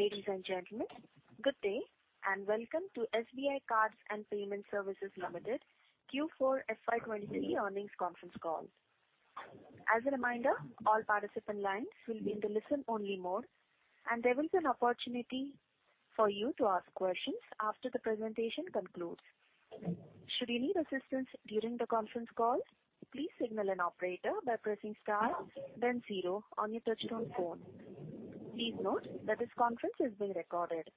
Ladies and gentlemen, good day, welcome to SBI Cards and Payment Services Limited Q4 FY 2023 earnings conference call. As a reminder, all participant lines will be in the listen-only mode, and there will be an opportunity for you to ask questions after the presentation concludes. Should you need assistance during the conference call, please signal an operator by pressing star then 0 on your touch-tone phone. Please note that this conference is being recorded.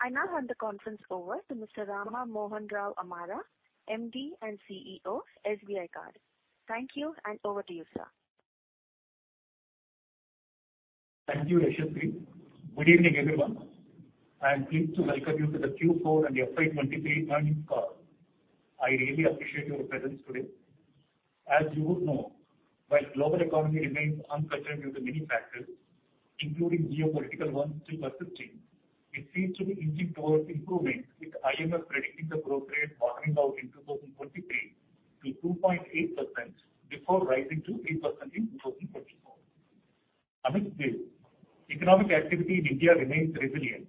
I now hand the conference over to Mr. Rama Mohan Rao Amara, MD and CEO, SBI Card. Thank you, over to you, sir. Thank you, Yashaswi. Good evening, everyone. I am pleased to welcome you to the Q4 and FY23 earnings call. I really appreciate your presence today. As you would know, while global economy remains uncertain due to many factors, including geopolitical ones still persisting, it seems to be inching towards improvement, with IMF predicting the growth rate bottoming out in 2023 to 2.8% before rising to 3% in 2024. Amidst this, economic activity in India remains resilient.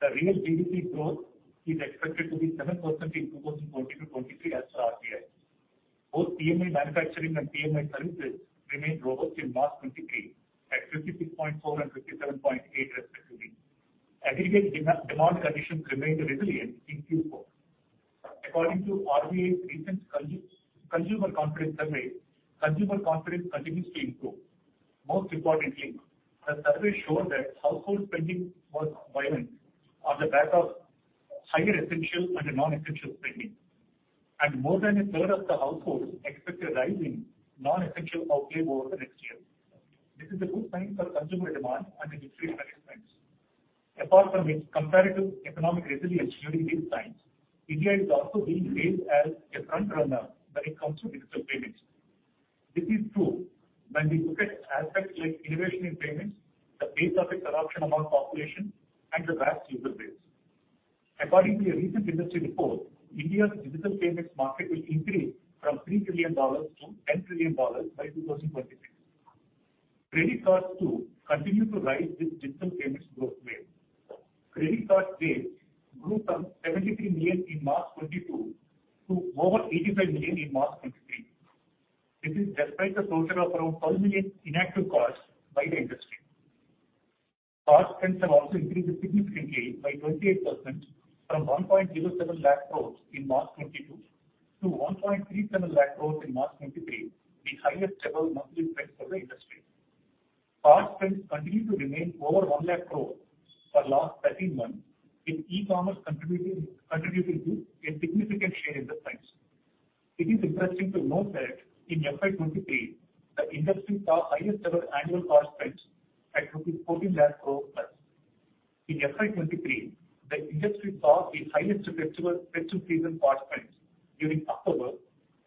The real GDP growth is expected to be 7% in 2020-2023 as per RBI. Both PMI manufacturing and PMI services remained robust in March 2023 at 56.4 and 57.8 respectively. Aggregate demand conditions remained resilient in Q4. According to RBI's recent consumer confidence survey, consumer confidence continues to improve. Most importantly, the survey showed that household spending was buoyant on the back of higher essential and non-essential spending, and more than a third of the households expect a rise in non-essential outlay over the next year. This is a good sign for consumer demand and industry spends. Apart from its comparative economic resilience during these times, India is also being hailed as a frontrunner when it comes to digital payments. This is true when we look at aspects like innovation in payments, the pace of its adoption among population, and the vast user base. According to a recent industry report, India's digital payments market will increase from $3 trillion-$10 trillion by 2023. Credit cards too continue to rise with digital payments growth rate. Credit card base grew from 73 million in March 2022 to over 85 million in March 2023. This is despite the closure of around 12 million inactive cards by the industry. Card spends have also increased significantly by 28% from 1.07 lakh crore in March 2022 to 1.37 lakh crore in March 2023, the highest ever monthly spends for the industry. Card spends continue to remain over 1 lakh crore for last 13 months, with e-commerce contributing to a significant share in the spends. It is interesting to note that in FY 2023, the industry saw highest ever annual card spends at INR 14 lakh crore+. In FY 2023, the industry saw its highest ever festival season card spends during October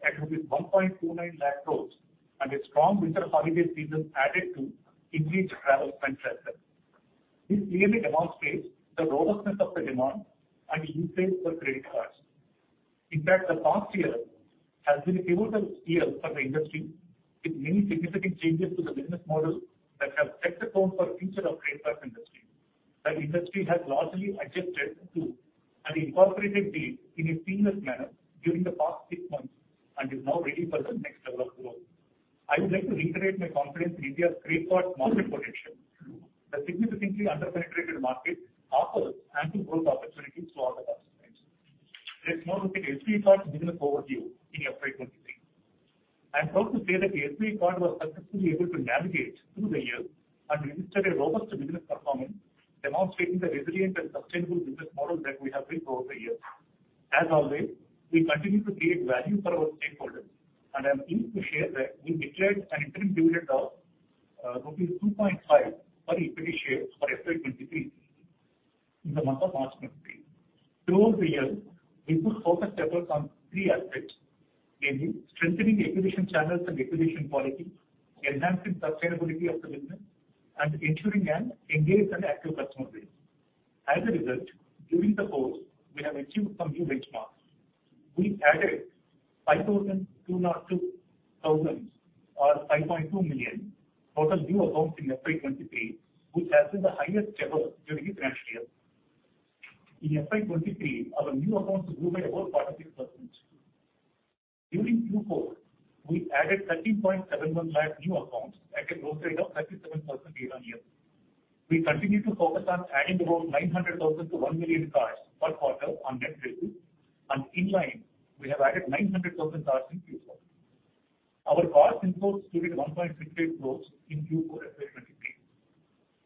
at 1.29 lakh crore, and a strong winter holiday season added to increased travel spends as well. This clearly demonstrates the robustness of the demand and usage for credit cards. In fact, the past year has been a pivotal year for the industry, with many significant changes to the business model that have set the tone for future of credit card industry. The industry has largely adjusted to and incorporated these in a seamless manner during the past six months and is now ready for the next level of growth. I would like to reiterate my confidence in India's credit card market potential. The significantly under-penetrated market offers ample growth opportunities for all the participants. Let's now look at SBI Card's business overview in FY 2023. I am proud to say that SBI Card was successfully able to navigate through the year and registered a robust business performance, demonstrating the resilient and sustainable business model that we have built over the years. As always, we continue to create value for our stakeholders, and I am pleased to share that we declared an interim dividend of rupees 2.5 per equity share for FY23 in the month of March 2023. Throughout the year, we put focused efforts on three aspects, namely strengthening acquisition channels and acquisition quality, enhancing sustainability of the business, and ensuring an engaged and active customer base. As a result, during the course, we have achieved some new benchmarks. We added 5,202 thousands or 5.2 million total new accounts in FY23, which has been the highest ever during the financial year. In FY23, our new accounts grew by over 40%. During Q4, we added 13.71 lakh new accounts at a growth rate of 37% year-on-year. We continue to focus on adding about 900,000 to one million cards per quarter on net basis. In line, we have added 900,000 cards in Q4. Our cards in force stood at 1.68 crores in Q4 FY23.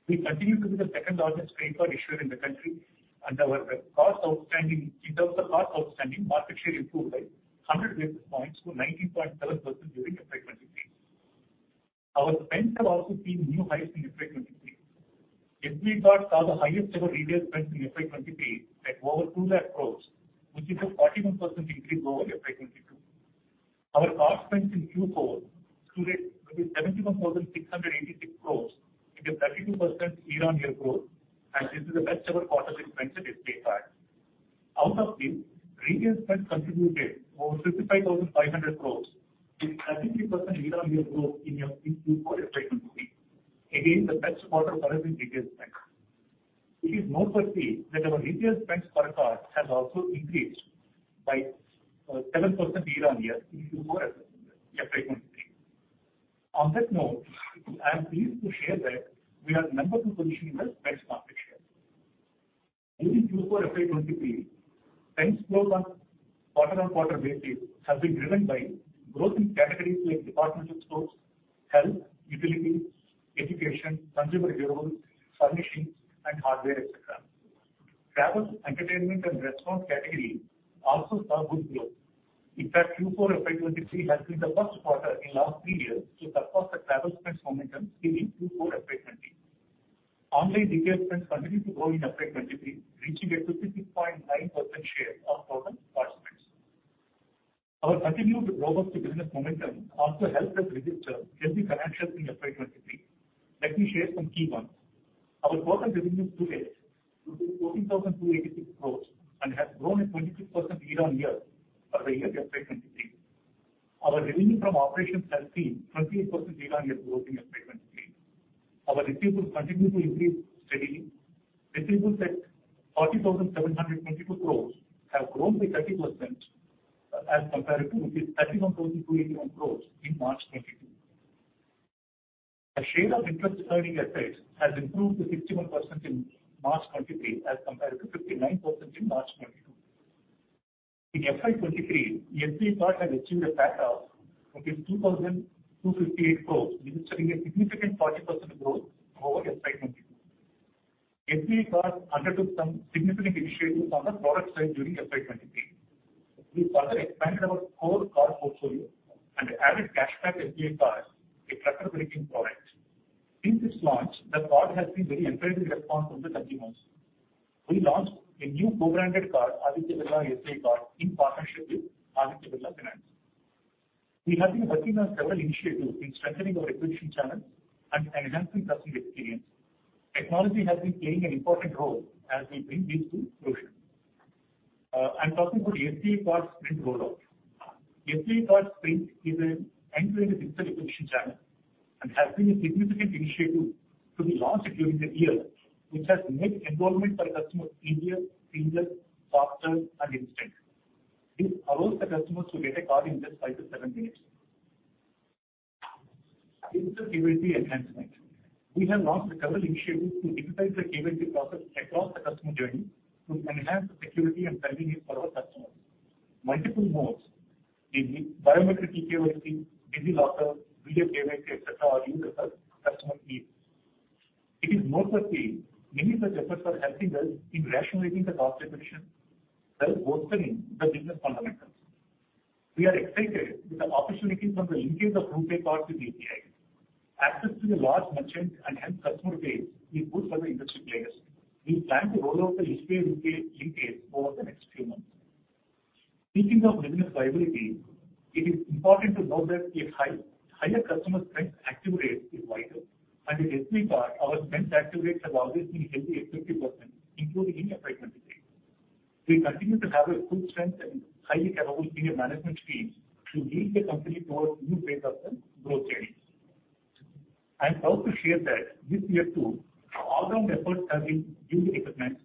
We continue to be the second largest credit card issuer in the country. Our cards outstanding, in terms of cards outstanding, market share improved by 100 basis points to 19.7% during FY23. Our spends have also seen new highs in FY23. SBI Card saw the highest ever retail spends in FY23 at over 2 lakh crores, which is a 41% increase over FY22. Our card spends in Q4 stood at 71,686 crores. It is 32% year-on-year growth, and this is the best ever quarter in spends at SBI Card. Out of this, retail spend contributed over INR 55,500 crores with 30% year-on-year growth in Q4 FY23. The best quarter for us in retail spend. It is noteworthy that our retail spends per card has also increased by 7% year-on-year in Q4 FY23. On that note, I am pleased to share that we are number two position in the spends market share. During Q4 FY23, spends growth on quarter-on-quarter basis have been driven by growth in categories like departmental stores, health, utilities, education, consumer durables, furnishings and hardware, etc. Travel, entertainment and restaurants category also saw good growth. In fact, Q4 FY23 has been the first quarter in last three years to surpass the travel spends momentum seen in Q4 FY20. Online retail spends continued to grow in FY23, reaching a 55.9% share of total card spends. Our continued robust business momentum also helped us register healthy financials in FY23. Let me share some key ones. Our total revenue to date to 14,286 crores and has grown at 26% year-on-year for the year FY23. Our revenue from operations has seen 28% year-on-year growth in FY23. Our receivables continue to increase steadily. Receivables at 40,722 crores have grown by 30% as compared to 31,281 crores in March 2022. The share of interest earning assets has improved to 61% in March 2023 as compared to 59% in March 2022. In FY 2023, SBI Card has achieved a PAT of 15,258 crores, registering a significant 40% growth over FY 2022. SBI Card undertook some significant initiatives on the product side during FY 2023. We further expanded our core card portfolio and added CASHBACK SBI Card, a travel-rich product. Since its launch, the card has seen very encouraging response from the customers. We launched a new co-branded card, Aditya Birla SBI Card, in partnership with Aditya Birla Finance. We have been working on several initiatives in strengthening our acquisition channels and enhancing customer experience. Technology has been playing an important role as we bring these to fruition. I'm talking about SBI Card SPRINT rollout. SBI Card SPRINT is an end-to-end digital acquisition channel and has been a significant initiative to be launched during the year, which has made enrollment for customers easier, seamless, faster and instant. This allows the customers to get a card in just 5-7 minutes. It's a KYC enhancement. We have launched several initiatives to digitize the KYC process across the customer journey to enhance the security and convenience for our customers. Multiple modes, the biometric eKYC, DigiLocker, video KYC, et cetera, are used as per customer needs. It is noteworthy many such efforts are helping us in rationalizing the cost structure, thus bolstering the business fundamentals. We are excited with the opportunity from the linkage of RuPay card with UPI. Access to the large merchant and hence customer base is good for the industry players. We plan to roll out the SBI RuPay linkage over the next few months. Speaking of business viability, it is important to note that a higher customer spends active rate is vital. At SBI Card, our spends active rates have always been healthy at 50%, including in FY23. We continue to have a good strength and highly capable senior management team to lead the company towards new phase of the growth journey. I am proud to share that this year too, our all round efforts have been duly recognized.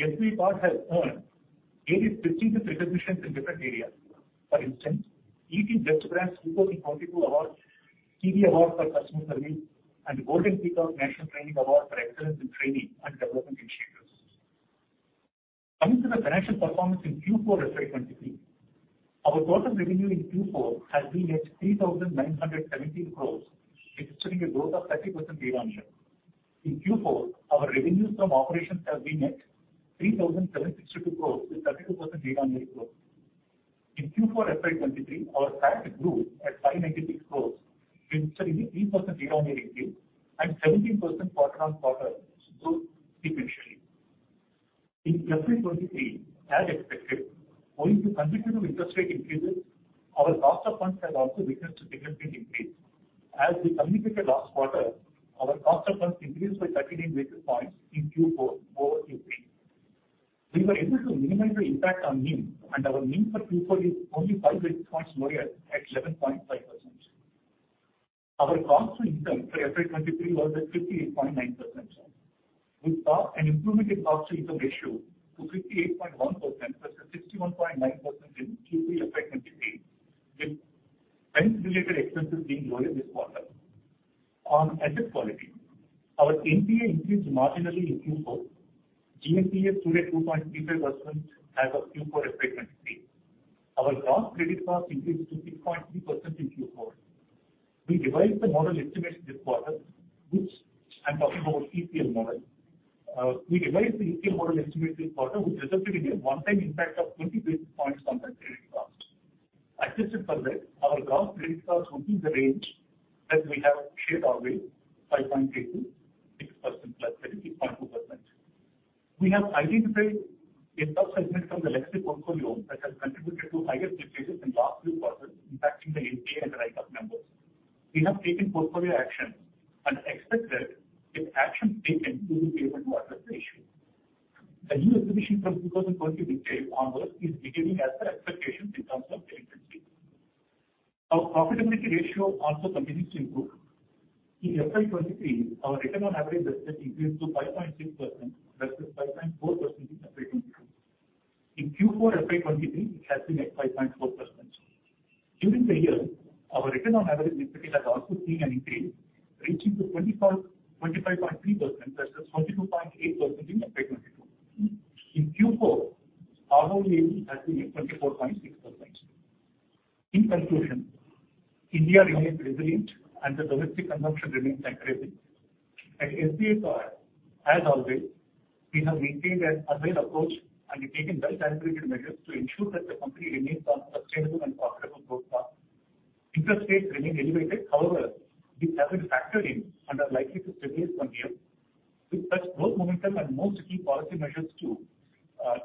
SBI Card has earned 83 different recognitions in different areas. For instance, ET Best Brands 2022 award, CEBI Award for customer service, and Golden Peacock National Training Award for excellence in training and development initiatives. Coming to the financial performance in Q4 FY23, our total revenue in Q4 has been at 3,917 crores, registering a growth of 30% year-on-year. In Q4, our revenues from operations have been at 3,762 crores with 32% year-on-year growth. In Q4 FY23, our PAT grew at 596 crores, registering 8% year-on-year increase and 17% quarter-on-quarter growth sequentially. In FY23, as expected, owing to consecutive interest rate increases, our cost of funds has also witnessed a significant increase. As we communicated last quarter, our cost of funds increased by 13 basis points in Q4 over Q3. We were able to minimize the impact on NIM, and our NIM for Q4 is only 5 basis points lower at 11.5%. Our cost to income for FY23 was at 58.9%. We saw an improvement in cost to income ratio to 58.1% versus 61.9% in Q3 FY23, with expense related expenses being lower this quarter. On asset quality, our NPA increased marginally in Q4. GNPA stood at 2.35% as of Q4 FY23. Our gross credit cost increased to 6.3% in Q4. We revised the model estimates this quarter, which I'm talking about ECL model. We revised the ECL model estimate this quarter, which resulted in a one-time impact of 20 basis points on the credit cost. Adjusting for that, our gross credit cost within the range that we have shared always, 5.8%-6%, that is 8.2%. We have identified a sub-segment from the legacy portfolio that has contributed to higher stages in last few quarters, impacting the NPA and the write-off numbers. We have taken portfolio action and expected that action taken will be able to address the issue. The new acquisition from 2023 onwards is beginning as per expectations in terms of delinquency. Our profitability ratio also continues to improve. In FY23, our return on average assets increased to 5.6% versus 5.4% in FY22. In Q4 FY23, it has been at 5.4%. During the year, our return on average equity has also seen an increase, reaching to 25.3% versus 22.8% in FY22. In Q4, ROE has been at 24.6%. In conclusion, India remains resilient and the domestic consumption remains aggressive. At SBI Card, as always, we have maintained an agile approach and have taken well-calibrated measures to ensure that the company remains on a sustainable and profitable growth path. Interest rates remain elevated. However, these have been factored in and are likely to stabilize from here. With such growth momentum and most key policy measures too,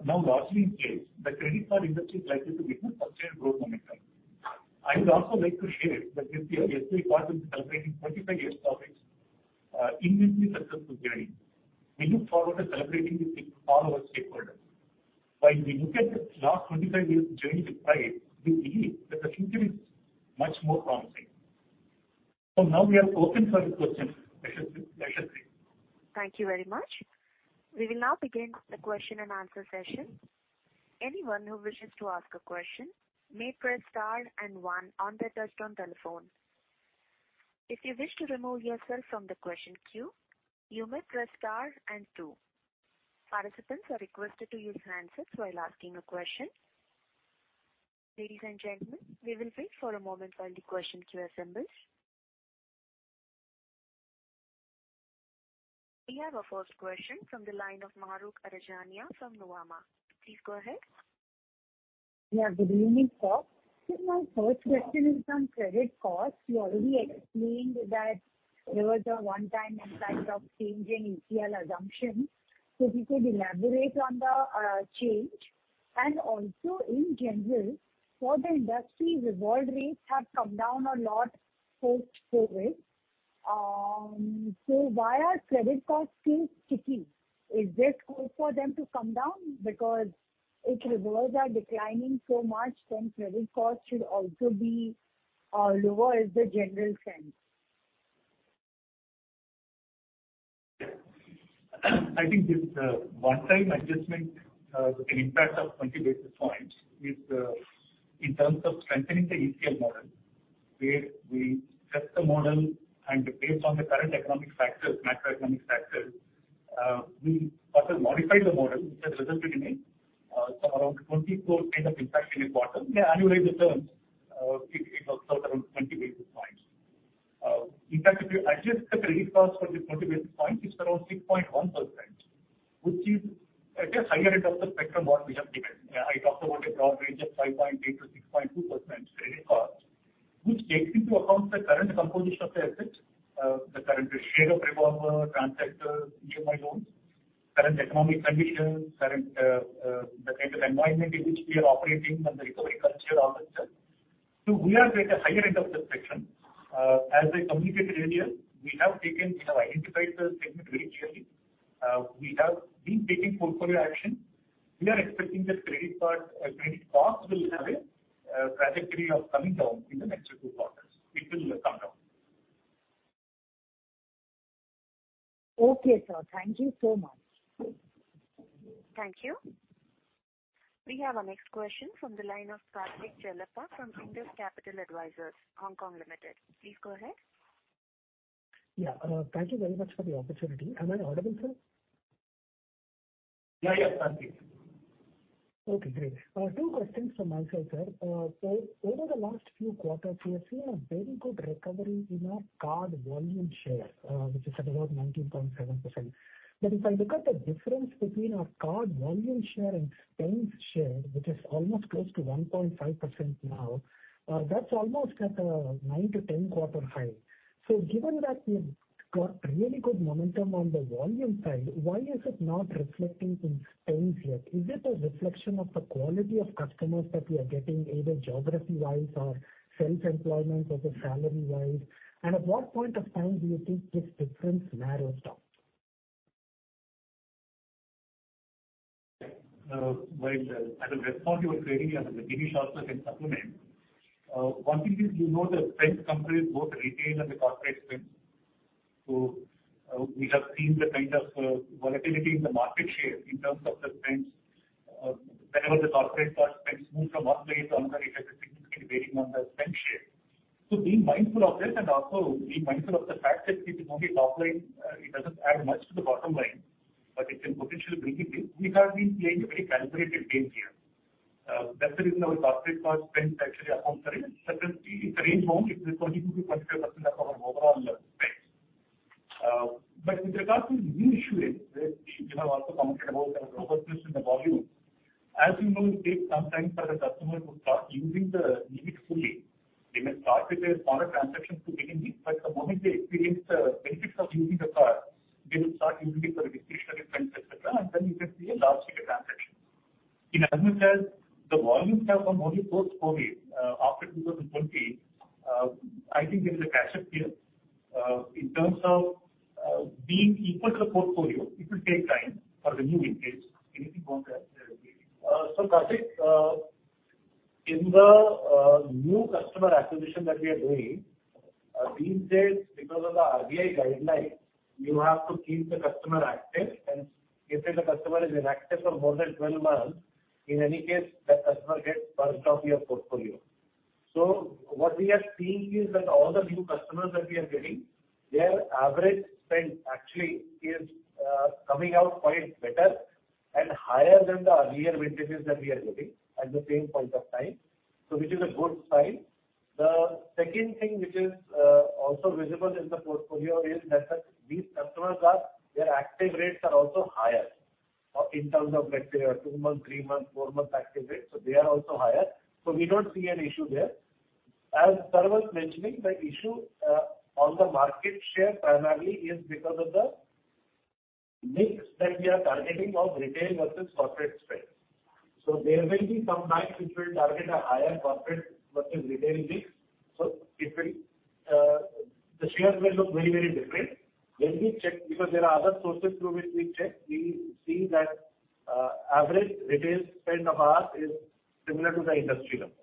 now largely in place, the credit card industry is likely to witness sustained growth momentum. I would also like to share that SBI Card will be celebrating 25 years of its immensely successful journey. We look forward to celebrating this with all our stakeholders. While we look at the last 25 years' journey with pride, we believe that the future is much more promising. Now we are open for the questions. Thank you very much. We will now begin the question and answer session. Anyone who wishes to ask a question may press star one on their touchtone telephone. If you wish to remove yourself from the question queue, you may press star two. Participants are requested to use handsets while asking a question. Ladies and gentlemen, we will wait for a moment while the question queue assembles. We have our first question from the line of Mahrukh Adajania from Nuvama. Please go ahead. Yeah, good evening, sir. My first question is on credit costs. You already explained that there was a one-time impact of changing ECL assumption. If you could elaborate on the change. Also in general, for the industry, revolve rates have come down a lot post-COVID. Why are credit costs still sticky? Is this good for them to come down? Because if revolves are declining so much, then credit costs should also be lower, is the general sense. I think this one-time adjustment, with an impact of 20 basis points, is in terms of strengthening the ECL model, where we test the model and based on the current economic factors, macroeconomic factors, we further modify the model, which has resulted in a around 24 kind of impact in a quarter. In annualized terms, it works out around 20 basis points. In fact, if you adjust the credit cost for the 20 basis points, it's around 6.1%, which is at a higher end of the spectrum what we have given. I talked about a broad range of 5.8%-6.2% credit cost, which takes into account the current composition of the assets, the current ratio of revolver, transaction, EMI loans, current economic conditions, current, the kind of environment in which we are operating and the recovery culture also. We are at a higher end of the spectrum. As I communicated earlier, we have identified the segment very clearly. We have been taking portfolio action. We are expecting that credit card credit costs will have a trajectory of coming down in the next two quarters. It will come down. Okay, sir. Thank you so much. Thank you. We have our next question from the line of Karthik Chelappa from Indus Capital Advisors, Hong Kong Limited. Please go ahead. Yeah. Thank you very much for the opportunity. Am I audible, sir? Yeah, yeah. Perfect. Okay, great. Two questions from my side, sir. Over the last few quarters, we have seen a very good recovery in our SBI Card volume share, which is at about 19.7%. If I look at the difference between our SBI Card volume share and spend share, which is almost close to 1.5% now, that's almost at a 9-10 quarter high. Given that we've got really good momentum on the volume side, why is it not reflecting in spends yet? Is it a reflection of the quality of customers that we are getting, either geography-wise or self-employment or the salary-wise? At what point of time do you think this difference narrows down? Well, as a responsible trading and maybe Sharfudhin can supplement. One thing is you know the spend comprise both retail and the corporate spend. We have seen the kind of volatility in the market share in terms of the spends. Whenever the corporate card spends move from one place to another, it has a significant bearing on the spend share. Being mindful of this and also being mindful of the fact that if it's only top line, it doesn't add much to the bottom line, but it can potentially bring it in, we have been playing a very calibrated game here. That's the reason our corporate card spend actually accounts for a certain range only. It's 22%-23% of our overall spend. With regards to new issuance, which you have also commented about the robustness in the volume, as you know, it takes some time for the customer to start using the limits fully. They may start with a smaller transaction to begin with, but the moment they experience the benefits of using the card, they will start using it for the discretionary spends, et cetera, and then you can see a larger. In as much as the volumes have come only post COVID, after 2020, I think there is a catch-up here, in terms of, being equal to the portfolio. It will take time for the new vintage. Anything more to add there, Rashmi? Karthik, in the new customer acquisition that we are doing these days because of the RBI guidelines, you have to keep the customer active and if the customer is inactive for more than 12 months, in any case that customer gets purged off your portfolio. What we are seeing is that all the new customers that we are getting, their average spend actually is coming out quite better and higher than the earlier vintages that we are getting at the same point of time. Which is a good sign. The second thing which is also visible in the portfolio is that these customers are their active rates are also higher in terms of let's say a two-month, three-month, four-month active rates. They are also higher. We don't see an issue there. As Tarun was mentioning, the issue on the market share primarily is because of the mix that we are targeting of retail versus corporate spend. There will be some months which will target a higher corporate versus retail mix. It will, the shares may look very, very different. When we check because there are other sources through which we check, we see that average retail spend of ours is similar to the industry level.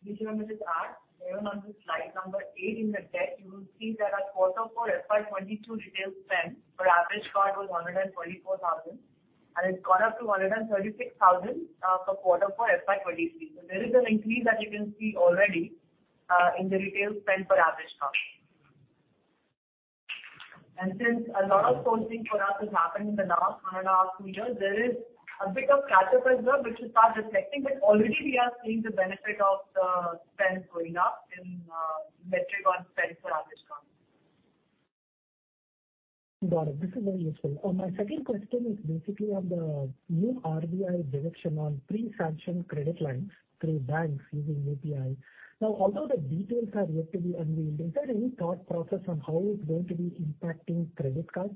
Additionally, just to add, even on the slide number eight in the deck, you will see that our Q4 FY22 retail spend per average card was 144,000, and it's gone up to 136,000 for Q4 FY23. There is an increase that you can see already in the retail spend per average card. Since a lot of sourcing for us has happened in the last 1.5 years, there is a bit of catch-up as well which will start reflecting, but already we are seeing the benefit of the spend going up in metric on spend per average card. Got it. This is very useful. My second question is basically on the new RBI direction on pre-sanctioned credit lines through banks using API. Now, although the details are yet to be unveiled, is there any thought process on how it's going to be impacting credit cards?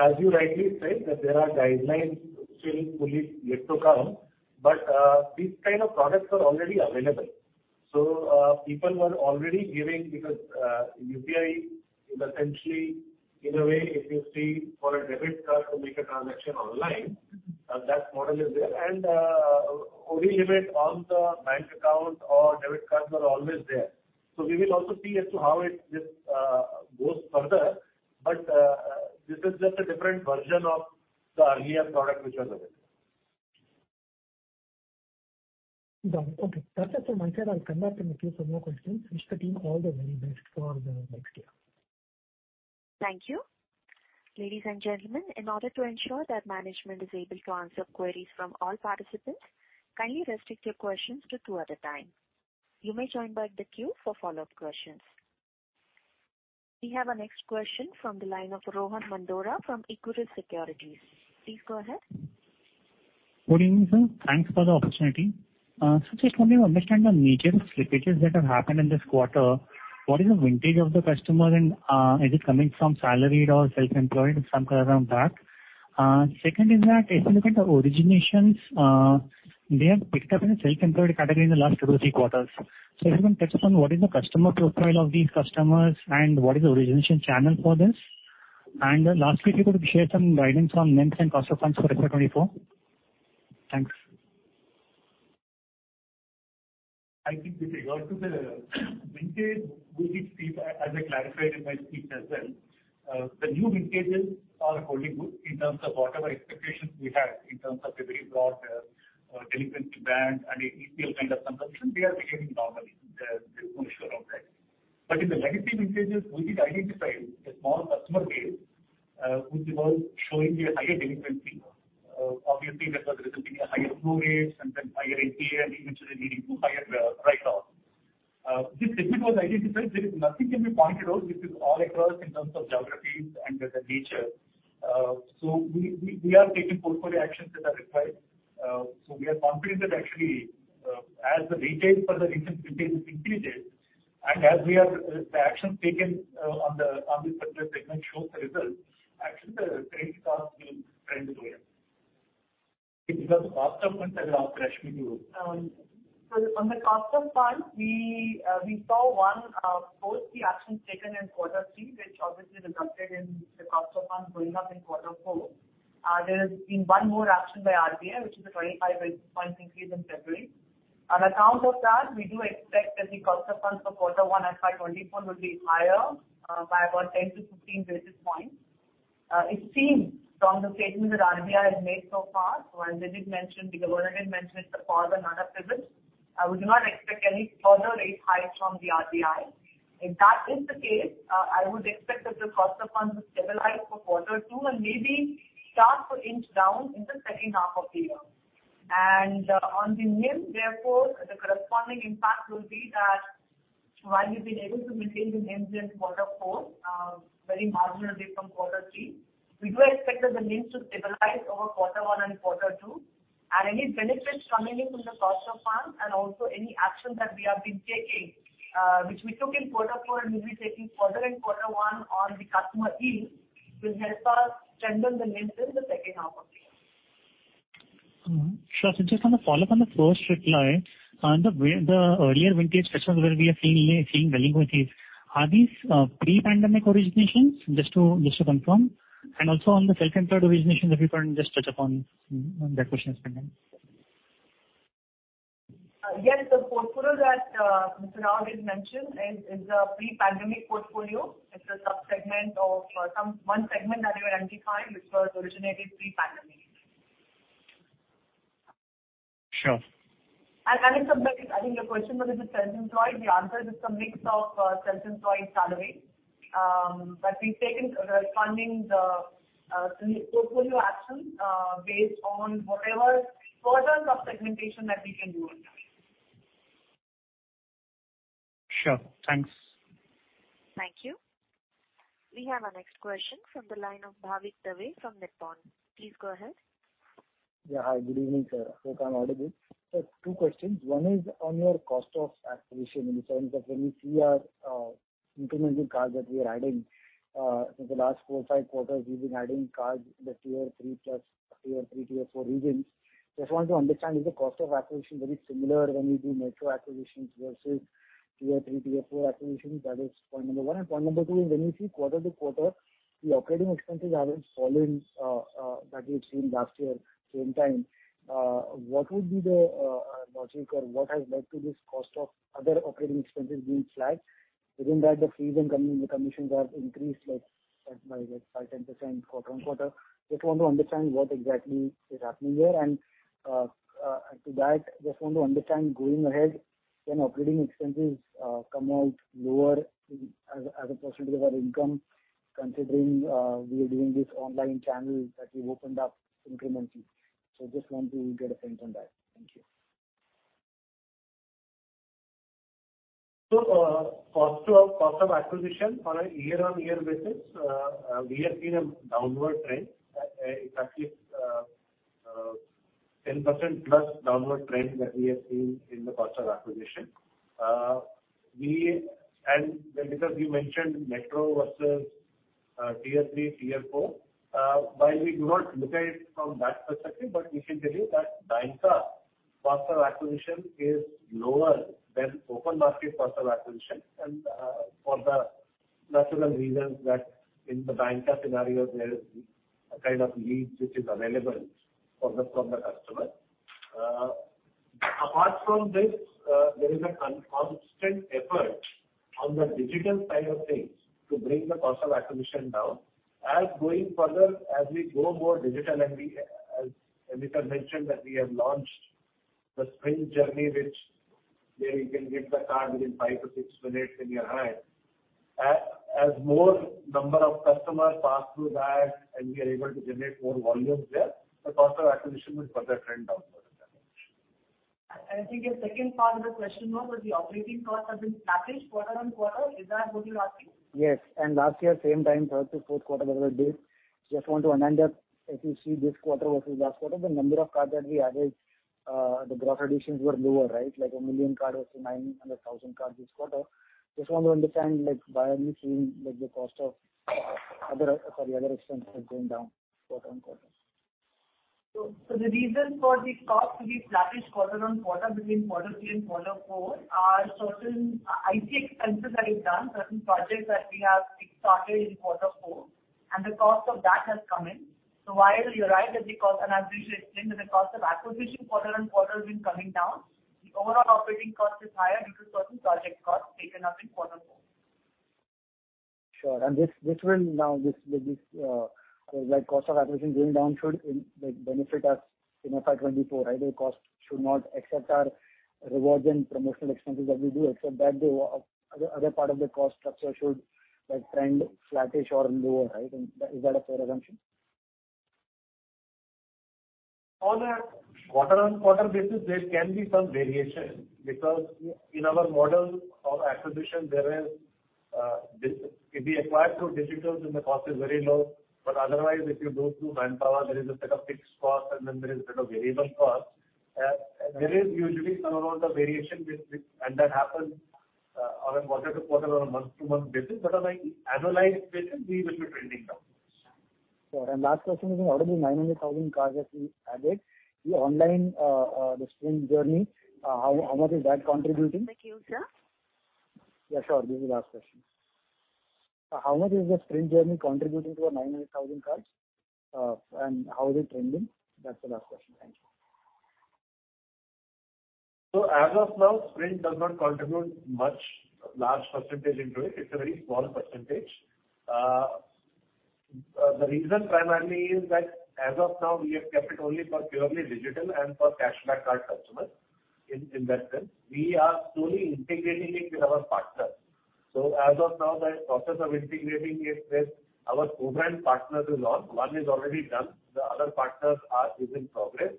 As you rightly said that there are guidelines still fully yet to come, these kind of products are already available. People were already giving because, UPI is essentially in a way if you see for a debit card to make a transaction online, that model is there and, only limit on the bank account or debit cards were always there. We will also see as to how it, this, goes further. This is just a different version of the earlier product which was available. Got it. Okay. That's it from my side. I'll come back in the queue for more questions. Wish the team all the very best for the next year. Thank you. Ladies and gentlemen, in order to ensure that management is able to answer queries from all participants, kindly restrict your questions to two at a time. You may join back the queue for follow-up questions. We have our next question from the line of Rohan Mandora from Equirus Securities. Please go ahead. Good evening, sir. Thanks for the opportunity. Just wanted to understand the nature of slippages that have happened in this quarter. What is the vintage of the customer and is it coming from salaried or self-employed if some color around that? Second is that if you look at the originations, they have picked up in the self-employed category in the last two to three quarters. If you can touch upon what is the customer profile of these customers and what is the origination channel for this. Lastly, if you could share some guidance on NIMs and cost of funds for FY 2024. Thanks. I think with regard to the vintage, we did see, as I clarified in my speech as well, the new vintages are holding good in terms of whatever expectations we had in terms of a very broad delinquency band and a EPL kind of consumption, they are behaving normally. There's no issue around that. In the legacy vintages, we did identify a small customer base, which was showing a higher delinquency. Obviously that was resulting in higher flow rates and then higher NPL, which was leading to higher write-off. This segment was identified. There is nothing can be pointed out. This is all across in terms of geographies and the nature. We are taking portfolio actions that are required. We are confident that actually, as the retail for the recent vintage increases and as we are, the actions taken on this particular segment shows the results, actually the credit card will trend well. In terms of cost of funds, I'll ask Rashmi to go. On the cost of funds, we saw one, post the actions taken in quarter three, which obviously resulted in the cost of funds going up in quarter four. There has been one more action by RBI, which is a 25 basis point increase in February. On account of that, we do expect that the cost of funds for quarter one FY24 will be higher, by about 10-15 basis points. It seems from the statements that RBI has made so far, as Vijit mentioned, Bigalanan mentioned the pause and not a pivot, I would not expect any further rate hikes from the RBI. If that is the case, I would expect that the cost of funds will stabilize for quarter two and maybe start to inch down in the second half of the year. On the NIM therefore, the corresponding impact will be that while we've been able to maintain the NIMs in quarter four, very marginally from quarter three. We do expect that the NIMs to stabilize over quarter one and quarter two, and any benefits coming in from the cost of funds and also any action that we have been taking, which we took in quarter four and will be taking further in quarter one on the customer fees will help us strengthen the NIMs in the second half of the year. Sure. Just want to follow-up on the first reply. On the earlier vintage customers where we are seeing delinquencies, are these pre-pandemic originations? Just to confirm. Also on the self-employed originations, if you can just touch upon on that question as well. Yes, the portfolio that Mr. Rao has mentioned is a pre-pandemic portfolio. It's a subsegment of some one segment that we have identified which was originated pre-pandemic. Sure. It's a mix. I think your question was, is it self-employed. The answer is it's a mix of self-employed, salaried. We've taken funding the portfolio action based on whatever further sub-segmentation that we can do on that. Sure. Thanks. Thank you. We have our next question from the line of Bhavik Dave from Nippon. Please go ahead. Yeah. Hi. Good evening, sir. Hope I'm audible. Two questions. One is on your cost of acquisition in the sense that when we see our incremental cards that we are adding, the last four, five quarters we've been adding cards in the tier three plus, tier three, tier four regions. Just want to understand, is the cost of acquisition very similar when we do metro acquisitions versus tier three, tier four acquisitions? That is point number one. Point number two is when we see quarter to quarter, the operating expenses haven't fallen that we had seen last year same time. What would be the logic or what has led to this cost of other operating expenses being flat? Within that, the fees and commissions have increased, like, by 10% quarter on quarter. Just want to understand what exactly is happening there. To that, just want to understand going ahead when operating expenses come out lower as a percentage of our income considering we are doing this online channel that we've opened up incrementally. Just want to get a sense on that. Thank you. Cost of acquisition on a year-on-year basis, we have seen a downward trend, exactly 10% plus downward trend that we have seen in the cost of acquisition. Because you mentioned metro versus Tier 3, Tier 4, while we do not look at it from that perspective, but we can tell you that Banca cost of acquisition is lower than open market cost of acquisition. For the natural reasons that in the Banca scenario there is a kind of lead which is available for the customer. Apart from this, there is a constant effort on the digital side of things to bring the cost of acquisition down. As going further, as we go more digital and we, as Amit has mentioned that we have launched the Sprint journey, which where you can get the card within five to six minutes in your hand. As more number of customers pass through that and we are able to generate more volumes there, the cost of acquisition will further trend downward. I think the second part of the question was the operating costs have been flattish quarter-on-quarter. Is that what you're asking? Yes. Last year same time, third to fourth quarter, whether it is, just want to understand if you see this quarter versus last quarter, the number of cards that we added, the gross additions were lower, right? Like one million card versus 900,000 cards this quarter. Just want to understand why are we seeing the cost of other expenses going down quarter-on-quarter? The reason for the cost to be flattish quarter-on-quarter between quarter three and quarter four are certain IT expenses that we've done, certain projects that we have started in quarter four and the cost of that has come in. While you're right that the cost, and as Rishi explained that the cost of acquisition quarter-on-quarter has been coming down, the overall operating cost is higher due to certain project costs taken up in quarter four. Sure. This will now with this, like cost of acquisition going down should like benefit us in FY 2024, right? The costs should not, except our rewards and promotional expenses that we do, except that the other part of the cost structure should like trend flattish or lower, right? Is that a fair assumption? On a quarter-on-quarter basis there can be some variation because in our model of acquisition there is this if we acquire through digital then the cost is very low, but otherwise if you go through manpower there is a set of fixed costs and then there is a set of variable costs. There is usually some amount of variation with, and that happens on a quarter-to-quarter or a month-to-month basis. As an annualized basis we will be trending down. Sure. Last question is out of the 900,000 cards that we added, the online, the Sprint journey, how much is that contributing? Thank you, sir. Yeah, sure. This is the last question. How much is the Sprint journey contributing to the 900,000 cards? How is it trending? That's the last question. Thank you. As of now, Sprint does not contribute much large percentage into it. It's a very small percentage. The reason primarily is that as of now we have kept it only for purely digital and for cashback card customers in that sense. We are slowly integrating it with our partners. As of now the process of integrating it with our co-brand partners is on. One is already done, the other partners are in progress.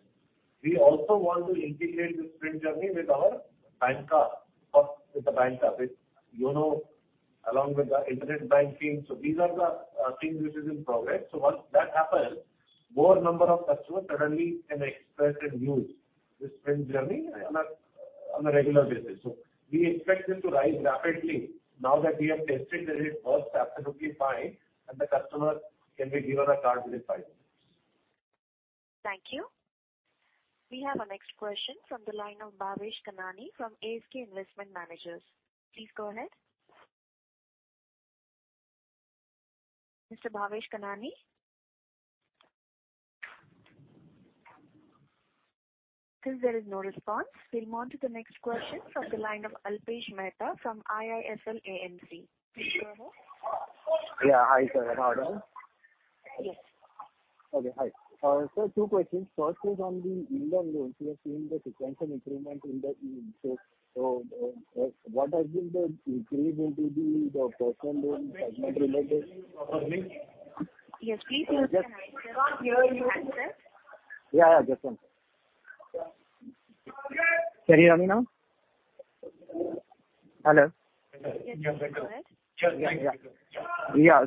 We also want to integrate this spend journey with our bank card, with the bank card, which you know, along with the internet banking. These are the things which is in progress. Once that happens, more number of customers suddenly can expect and use this spend journey on a regular basis. We expect it to rise rapidly now that we have tested that it works absolutely fine and the customer can be given a card within five minutes. Thank you. We have our next question from the line of Bhavesh Kanani from ASK Investment Managers. Please go ahead. Mr. Bhavesh Kanani? Since there is no response, we'll move on to the next question from the line of Alpesh Mehta from IIFL AMC. Please go ahead. Yeah. Hi, sir. How are you? Yes. Okay, hi. sir, two questions. First is on the yield on loans. We are seeing the sequential improvement in the yield. What has been the key to the personal loan segment? Yes, please use an answer. Can you answer? Yeah, yeah. Just one sec. Can you hear me now? Hello? Yes, go ahead. Yeah. Yeah. Yeah.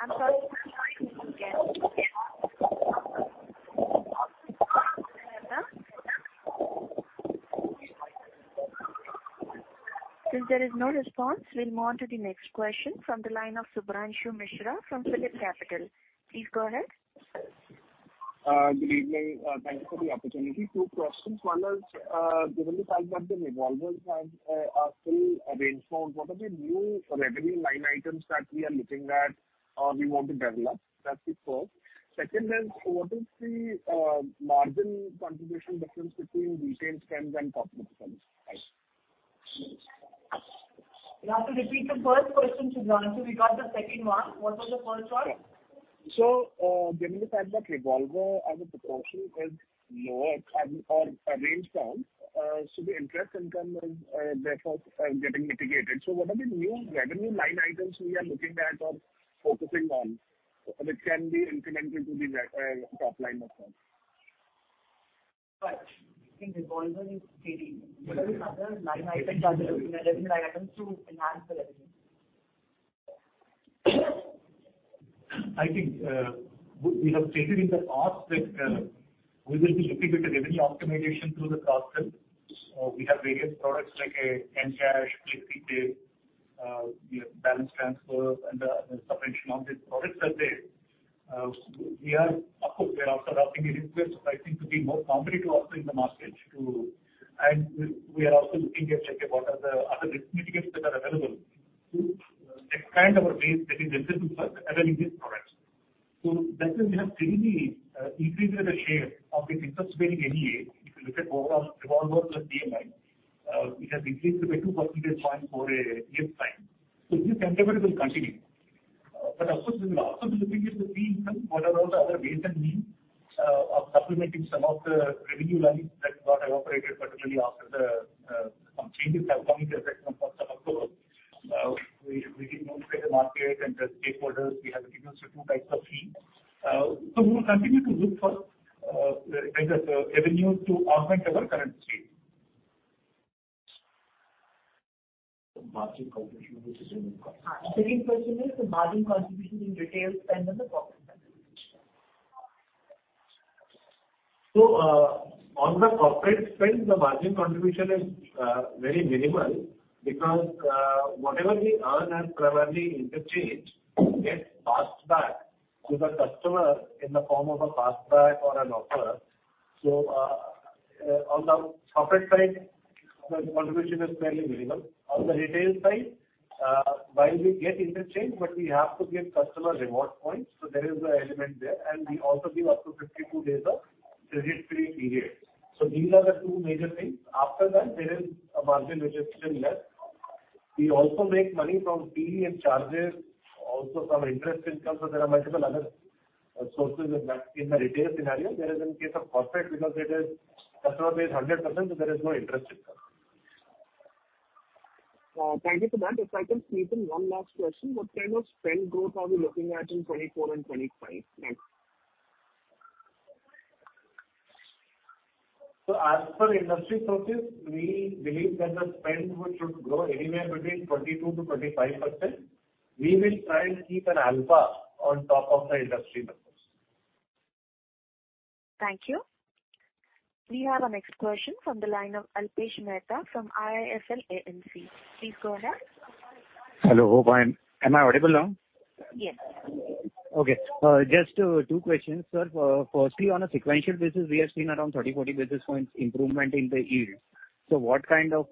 I'm sorry. Can you try again, please? Since there is no response, we'll move on to the next question from the line of Shubhranshu Mishra from PhillipCapital. Please go ahead. Good evening. Thank you for the opportunity. Two questions. One is, given the fact that the revolvers have are still arranged for, what are the new revenue line items that we are looking at or we want to develop? That's the first. Second is what is the margin contribution difference between retail spend and corporate spend? Thanks. You have to repeat the first question, Shubhranshu. We got the second one. What was the first one? Given the fact that revolver as a proportion is lower and or arranged down, so the interest income is therefore getting mitigated. What are the new revenue line items we are looking at or focusing on which can be incremental to the top line of spend? Right. What are the other line items that you're looking at, revenue line items to enhance the revenue? I think, we have stated in the past that, we will be looking at the revenue optimization through the process. We have various products like a mCASH, Flexipay, we have balance transfers and, subscription on these products are there. We are, of course, we are also drafting a request, so I think to be more complementary also in the message. We are also looking at like what are the other risk mitigants that are available to, expand our base that is into selling these products. That is we have clearly, increased our share of the interest bearing NEA. If you look at overall revolver to EMI, it has increased by 2 percentage points over a year time. This sentiment will continue. of course we will also be looking at the fees and what are all the other ways and means of supplementing some of the revenue lines that got evaporated, particularly after the some changes have come into effect from 1st of October. We did notify the market and the stakeholders. We have introduced a few types of fees. We'll continue to look for kind of revenue to augment our current state. Margin contribution between- Second question is the margin contribution in retail spend and the corporate spend. On the corporate spend, the margin contribution is very minimal because whatever we earn as primarily interchange gets passed back to the customer in the form of a cashback or an offer. On the corporate side, the contribution is fairly minimal. On the retail side, while we get interchange, but we have to give customer reward points, so there is an element there. We also give up to 52 days of credit-free period. These are the two major things. After that, there is a margin which is still left. We also make money from fee and charges, also some interest income. There are multiple other sources of that in the retail scenario there is in case of corporate because it is customer pays 100%, so there is no interest income. Thank you for that. If I can squeeze in one last question. What kind of spend growth are we looking at in 2024 and 2025 next? As per industry sources, we believe that the spend should grow anywhere between 22%-25%. We will try and keep an alpha on top of the industry numbers. Thank you. We have our next question from the line of Alpesh Mehta from IIFL AMC. Please go ahead. Hello. Am I audible now? Yes. Okay. Just two questions, sir. Firstly, on a sequential basis, we are seeing around 30, 40 basis points improvement in the yield. What kind of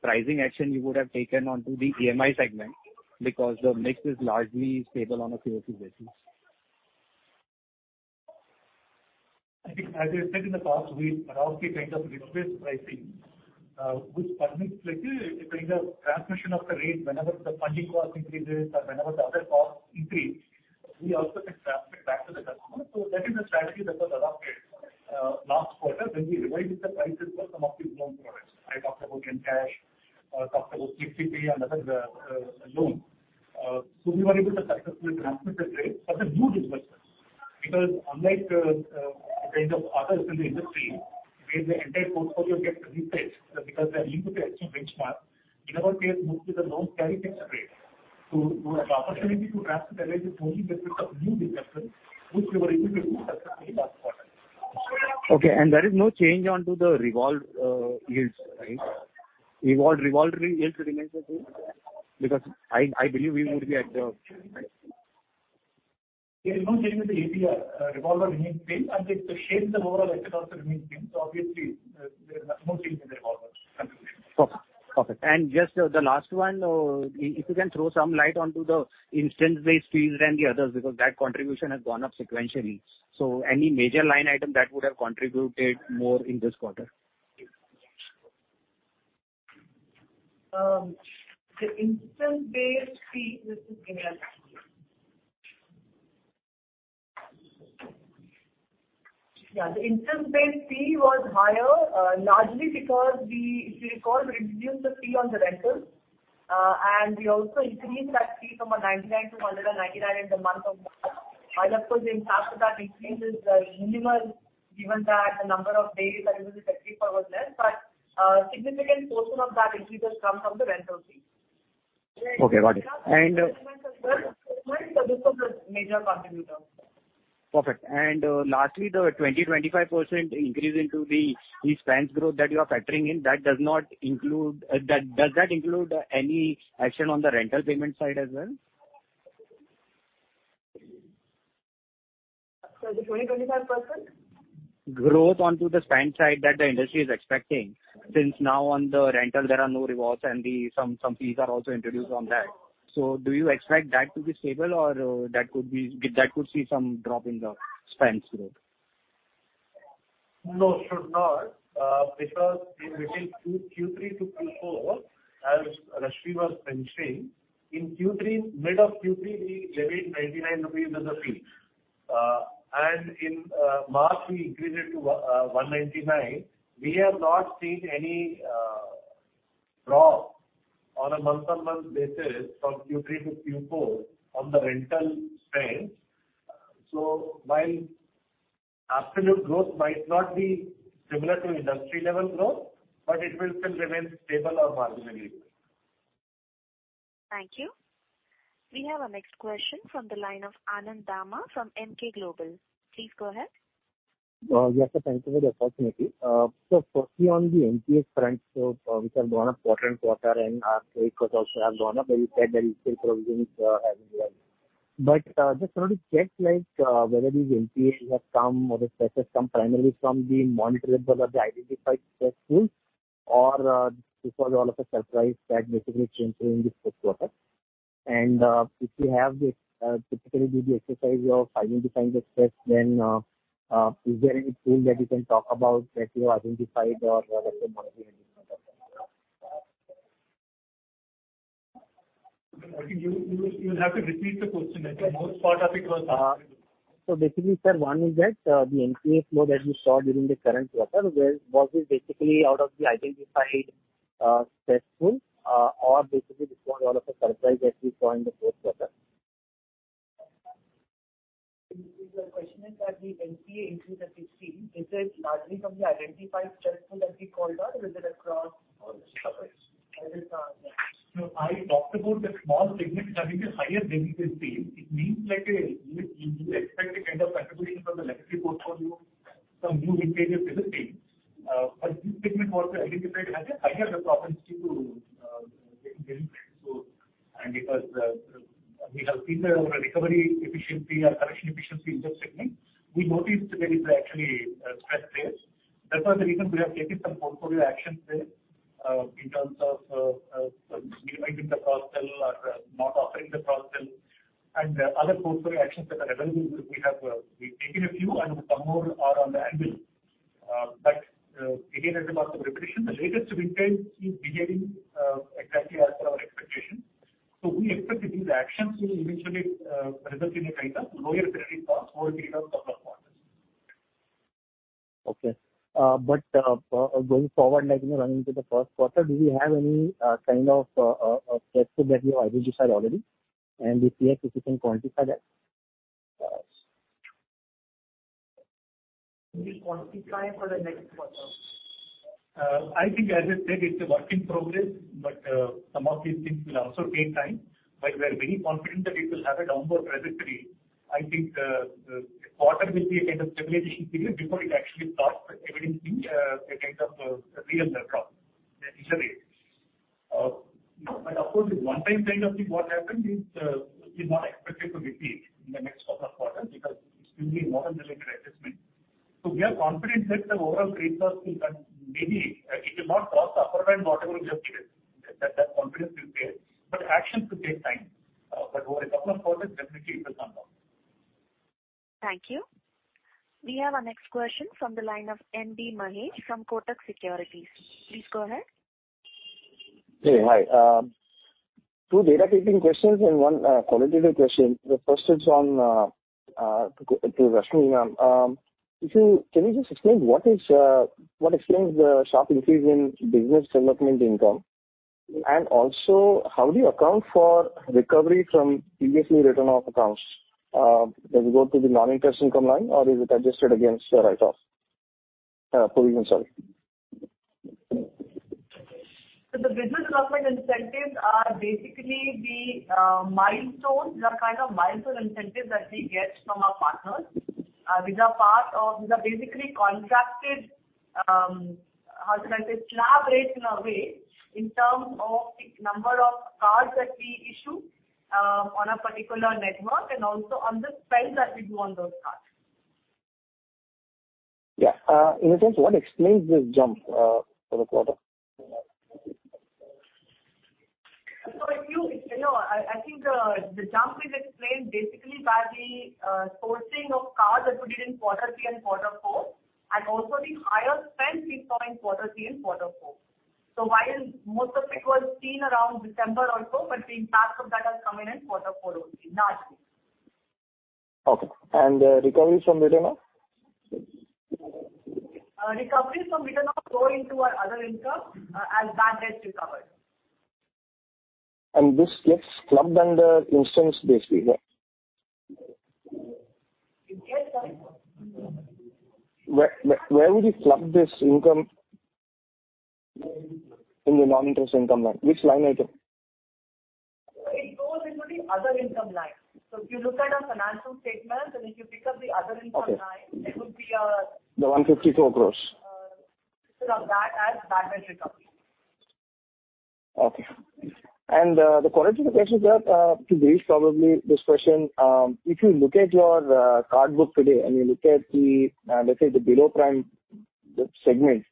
pricing action you would have taken onto the EMI segment? The mix is largely stable on a Q-O-Q basis. I think as I said in the past, we adopt a kind of risk-based pricing, which permits like a kind of transmission of the rate. Whenever the funding cost increases or whenever the other costs increase, we also can transmit back to the customer. That is the strategy that was adopted. Last quarter when we revised the prices for some of the loan products. I talked about Encash, talked about CPB and other loans. We were able to successfully transmit the rates for the new disbursements because unlike, kind of others in the industry, where the entire portfolio gets reset because they are linked to the extra benchmark. In our case, most of the loans carry fixed rates. We have the opportunity to transmit the rates only with the new disbursements, which we were able to do successfully last quarter. Okay. There is no change onto the revolve yields, right? Revolving yields remains the same? Because I believe we would be at the There is no change in the APR. Revolver remains same and the shape of overall asset also remains same. Obviously, there is no change in the revolver contribution. Perfect. Perfect. Just, the last one. If you can throw some light onto the instance-based fees than the others, because that contribution has gone up sequentially. Any major line item that would have contributed more in this quarter? The instance-based fee, this is Gayatri speaking. Yeah, the instance-based fee was higher, largely because we, if you recall, we reduced the fee on the rentals. We also increased that fee from 99-199 in the month of March. Of course, the impact of that increase is minimal given that the number of days that it was effective for was less. A significant portion of that increase has come from the rental fee. Okay, got it. this was the major contributor. Perfect. Lastly, the 20%-25% increase into the spends growth that you are factoring in, does that include any action on the rental payment side as well? Sorry, the 20%-25%? Growth onto the spend side that the industry is expecting. Since now on the rental there are no revolves and some fees are also introduced on that. Do you expect that to be stable or that could see some drop in the spends growth? No, should not. In between Q3-Q4, as Rashmi was mentioning, in Q3, mid of Q3, we levied 99 rupees as a fee. In March we increased it to 199. We have not seen any drop on a month-on-month basis from Q3-Q4 on the rental spends. While absolute growth might not be similar to industry level growth, but it will still remain stable or marginally. Thank you. We have our next question from the line of Anand Dama from Emkay Global. Please go ahead. Yes, thank you for the opportunity. Firstly on the NPA front, which have gone up quarter-on-quarter and R3 codes also have gone up, but you said that you still provisions, as well. Just wanted to check, like, whether these NPAs have come or the stress has come primarily from the monitorable or the identified stress pools or, this was all of a surprise that basically changed during this first quarter. If you have this, typically do the exercise of identifying the stress, then, is there any tool that you can talk about that you have identified or whatever monitoring. I think you'll have to repeat the question. I think most part of it was lost. Basically, sir, one is that, the NPA flow that you saw during the current quarter where was this basically out of the identified stress pool, or basically this was all of a surprise as we saw in the first quarter? If your question is that the NPA increase that we've seen, is it largely from the identified stress pool that we called out or is it across all the covers? I will, yeah. I talked about the small segment having a higher delinquency fee. It means like you expect a kind of contribution from the legacy portfolio, some new vintages in the team. This segment was identified as a higher propensity to get delinquent. Because we have seen that our recovery efficiency or collection efficiency in that segment, we noticed that it's actually a stress there. That's one of the reasons we have taken some portfolio actions there in terms of minimizing the cross-sell or not offering the cross-sell and other portfolio actions that are available. We have we've taken a few and some more are on the anvil. Again as a part of repetition, the latest vintage is behaving exactly as per our expectation. We expect that these actions will eventually result in a kind of lower credit cost over a period of couple of quarters. Okay. going forward, like, you know, into the first quarter, do you have any kind of stressor that you have identified already? If yes, if you can quantify that. We'll quantify for the next quarter. I think as I said, it's a work in progress, but some of these things will also take time. We are very confident that it will have a downward trajectory. I think the quarter will be a kind of stabilization period before it actually starts evidencing a kind of real drop in the rate. Of course, this one time kind of thing what happened is not expected to repeat in the next couple of quarters because it's mainly model-related adjustment. We are confident that the overall credit cost will come. Maybe it will not cross the upper end whatever we have given. That confidence we have. Actions could take time. Over a couple of quarters definitely it will come down. Thank you. We have our next question from the line of M.B. Mahesh from Kotak Securities. Please go ahead. Hey. Hi. Two data keeping questions and one qualitative question. The first is on to Rashmi. Can you just explain what explains the sharp increase in business development income? How do you account for recovery from previously written-off accounts? Does it go to the non-interest income line or is it adjusted against the write-off? Provision, sorry. The business development incentives are basically the milestones. They're kind of milestone incentives that we get from our partners, which are part of the basically contracted, how to say, slab rates in a way, in terms of the number of cards that we issue, on a particular network and also on the spend that we do on those cards. In a sense, what explains this jump for the quarter? You know, I think the jump is explained basically by the sourcing of cards that we did in quarter three and quarter four, and also the higher spend we saw in quarter three and quarter four. While most of it was seen around December also, but the impact of that has come in in quarter four only, not three. Okay. recovery from written off? Recoveries from written off go into our other income, as bad debts recovered. This gets clubbed under instance basically, yeah? It gets what? Where would you club this income in the non-interest income line? Which line item? It goes into the other income line. If you look at our financial statements, and if you pick up the other income line. Okay. there would be a, The 154 crores. -sort of that as bad debt recovery. Okay. The qualitative question, sir, to Dev probably this question. If you look at your card book today, and you look at the, let's say the below prime segment,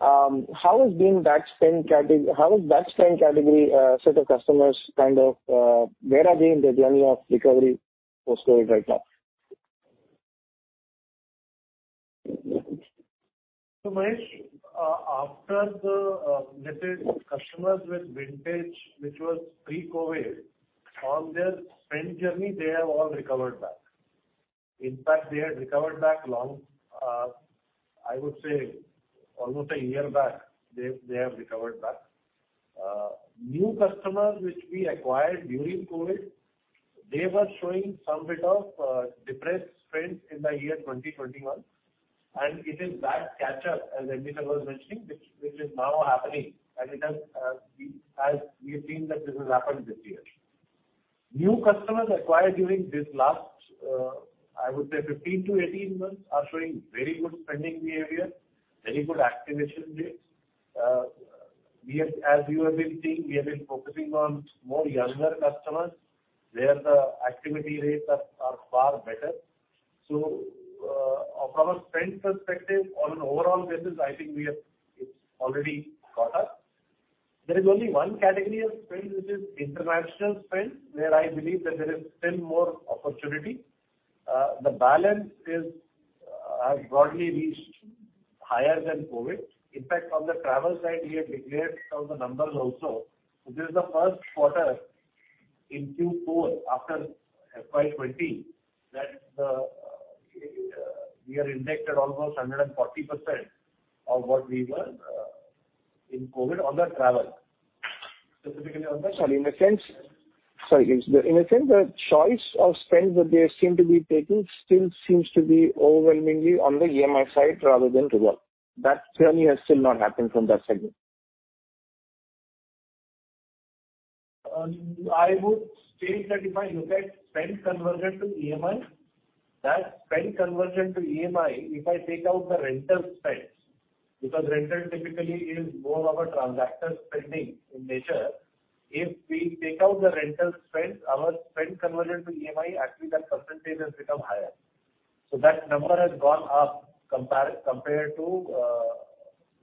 how is that spend category set of customers kind of, where are they in their journey of recovery post-COVID write-off? Mahesh, after the, let's say customers with vintage, which was pre-COVID, on their spend journey, they have all recovered back. In fact, they had recovered back long, I would say almost one year back, they have recovered back. New customers which we acquired during COVID, they were showing some bit of depressed spend in the year 2021, and it is that catch-up, as Nita was mentioning, which is now happening, and it has, as we have seen that this has happened this year. New customers acquired during this last, I would say 15-18 months are showing very good spending behavior, very good activation rates. As you have been seeing, we have been focusing on more younger customers, where the activity rates are far better. From a spend perspective on an overall basis, I think we have, it's already caught up. There is only one category of spend, which is international spend, where I believe that there is still more opportunity. The balance is, has broadly reached higher than COVID. In fact, from the travel side, we have declared some of the numbers also. This is the first quarter in Q4 after FY20 that we are indexed at almost 140% of what we were in COVID on the travel. Specifically on the- Sorry. In a sense, the choice of spend that they seem to be taking still seems to be overwhelmingly on the EMI side rather than revolve. That journey has still not happened from that segment. I would say that if I look at spend conversion to EMI, if I take out the rental spends, because rental typically is more of a transactor spending in nature. If we take out the rental spends, our spend conversion to EMI, actually that percentage has become higher. That number has gone up compared to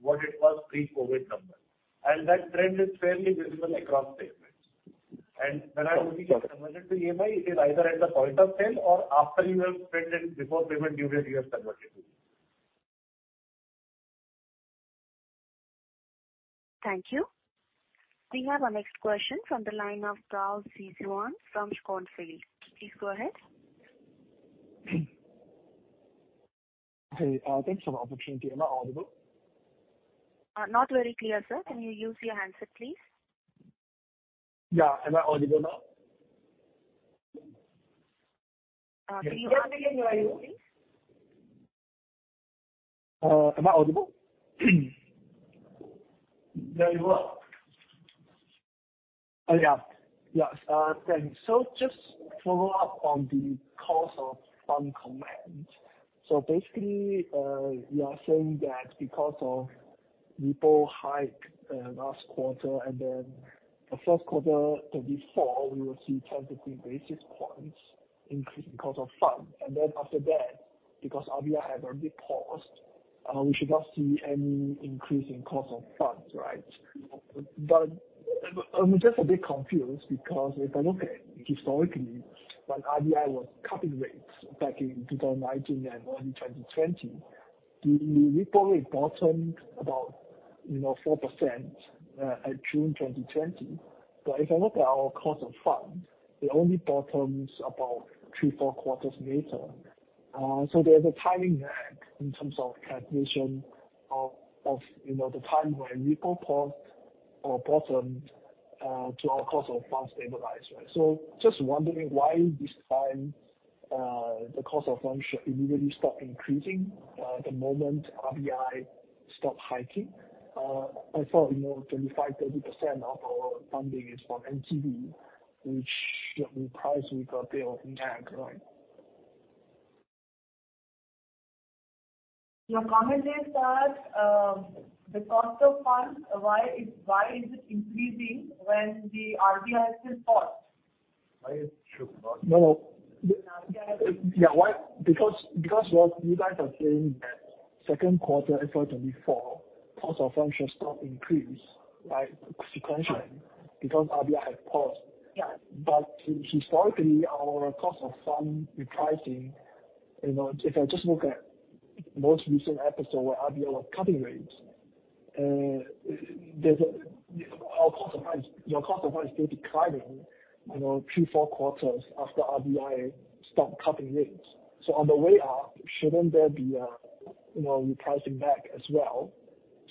what it was pre-COVID number. That trend is fairly visible across segments. When I Okay. About conversion to EMI, it is either at the point of sale or after you have spent it, before payment due date, you have converted to EMI. Thank you. We have our next question from the line of Charles Sisson from Schroders. Please go ahead. Hey, thanks for the opportunity. Am I audible? Not very clear, sir. Can you use your handset, please? Yeah. Am I audible now? Can you just raise your volume please? Am I audible? Very well. Oh, yeah. Yes. Thanks. Just follow up on the cost of fund comment. Basically, you are saying that because of repo hike, last quarter and then the first quarter 24, we will see 10-15 basis points increase in cost of fund. Then after that, because RBI has already paused, we should not see any increase in cost of funds, right? I'm just a bit confused because if I look at historically, when RBI was cutting rates back in 2019 and early 2020-The repo rate bottomed about, you know, 4%, at June 2020. If I look at our cost of funds, it only bottoms about three, four quarters later. There's a timing lag in terms of calculation of, you know, the time when repo paused or bottomed, to our cost of funds stabilized, right? Just wondering why this time, the cost of funds should immediately start increasing, the moment RBI stopped hiking. I thought, you know, 25%, 30% of our funding is from NCD, which should be priced with a delay or lag, right? Your comment is that, the cost of funds, why is it increasing when the RBI has been paused? Why it should not. No. Yeah. Yeah. Why? Because what you guys are saying that second quarter FY 2024, cost of funds should start to increase, right, sequentially because RBI has paused. Yeah. Historically our cost of fund repricing, you know, if I just look at most recent episode where RBI was cutting rates, Our cost of funds, your cost of funds will be climbing, you know, three, four quarters after RBI stopped cutting rates. On the way up, shouldn't there be a, you know, repricing back as well?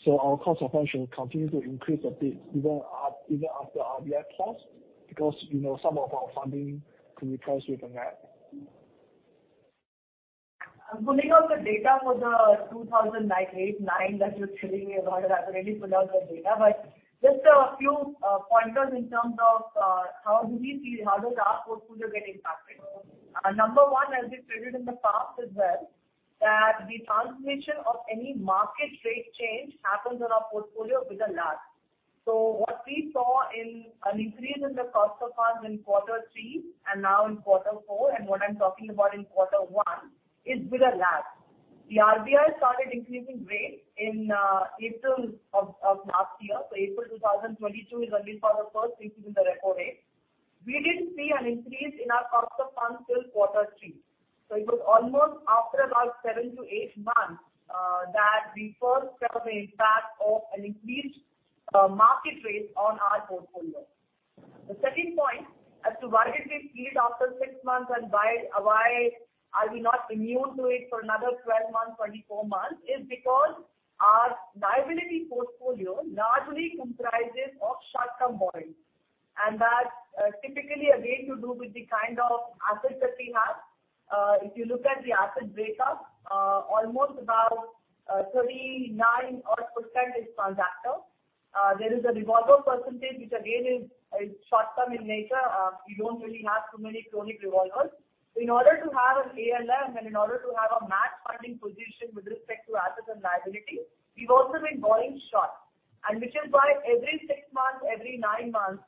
Our cost of funds should continue to increase a bit even up, even after RBI paused because, you know, some of our funding could be priced with a lag. I'm pulling up the data for the 2008, 2009 that you're telling me about. I've already pulled out the data. Just a few pointers in terms of how do we see how does our portfolio get impacted. Number one, as we've stated in the past as well, that the transmission of any market rate change happens on our portfolio with a lag. What we saw in an increase in the cost of funds in quarter three and now in quarter four and what I'm talking about in quarter one is with a lag. The RBI started increasing rates in April of last year. April 2022 is when we saw the first increase in the repo rate. We didn't see an increase in our cost of funds till quarter three. It was almost after about 7-8 months that we first felt the impact of an increased market rate on our portfolio. The second point as to why did we see it after six months and why are we not immune to it for another 12 months, 24 months is because our liability portfolio largely comprises of short-term borrowings. That typically again to do with the kind of assets that we have. If you look at the asset breakup, almost about 39 odd percentage is transactor. There is a revolver percentage which again is short-term in nature. We don't really have too many chronic revolvers. In order to have an ALM and in order to have a match funding position with respect to assets and liabilities, we've also been borrowing short. Which is why every six months, every nine months,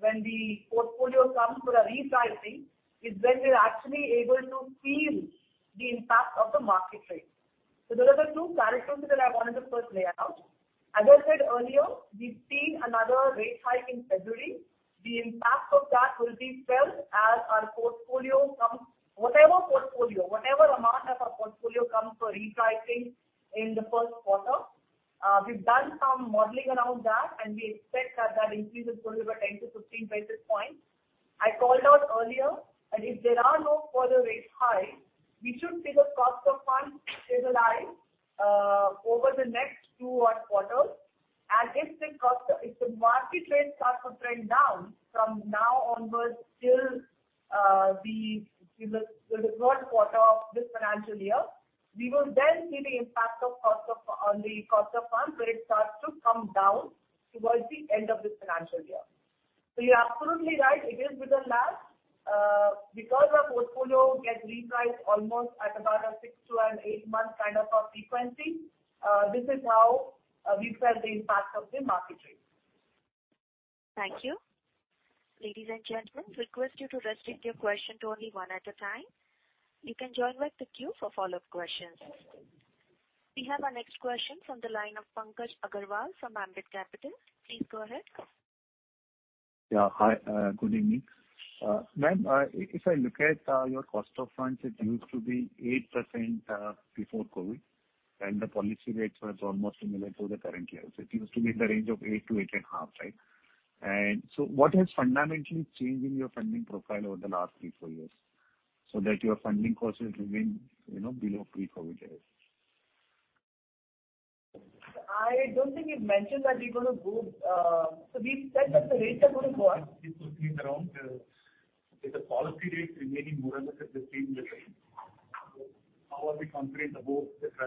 when the portfolio comes for a repricing is when we're actually able to feel the impact of the market rate. Those are the two characteristics that I wanted to first lay out. As I said earlier, we've seen another rate hike in February. The impact of that will be felt as our portfolio comes, whatever portfolio, whatever amount of our portfolio comes for repricing in the first quarter. We've done some modeling around that, and we expect that that increase is going to be 10-15 basis points. I called out earlier that if there are no further rate hikes, we should see the cost of funds stabilize over the next two odd quarters. If the cost, if the market rates start to trend down from now onwards till the third quarter of this financial year, we will then see the impact of cost on the cost of funds where it starts to come down towards the end of this financial year. You're absolutely right. It is with a lag. Because our portfolio gets repriced almost at about a six to an eight-month kind of a frequency, this is how we felt the impact of the market rate. Thank you. Ladies and gentlemen, request you to restrict your question to only one at a time. You can join with the queue for follow-up questions. We have our next question from the line of Pankaj Agarwal from Ambit Capital. Please go ahead. Yeah. Hi. Good evening. ma'am, if I look at your cost of funds, it used to be 8% before COVID, and the policy rates was almost similar to the current year. It used to be in the range of 8%-8.5%, right? What has fundamentally changed in your funding profile over the last 3-4 years so that your funding costs has remained, you know, below pre-COVID levels? I don't think we've mentioned that we're gonna go. We've said that the rates are gonna go up. Just to speak around, with the policy rates remaining more or less at the same level, how are we confident about the trajectory being only limited to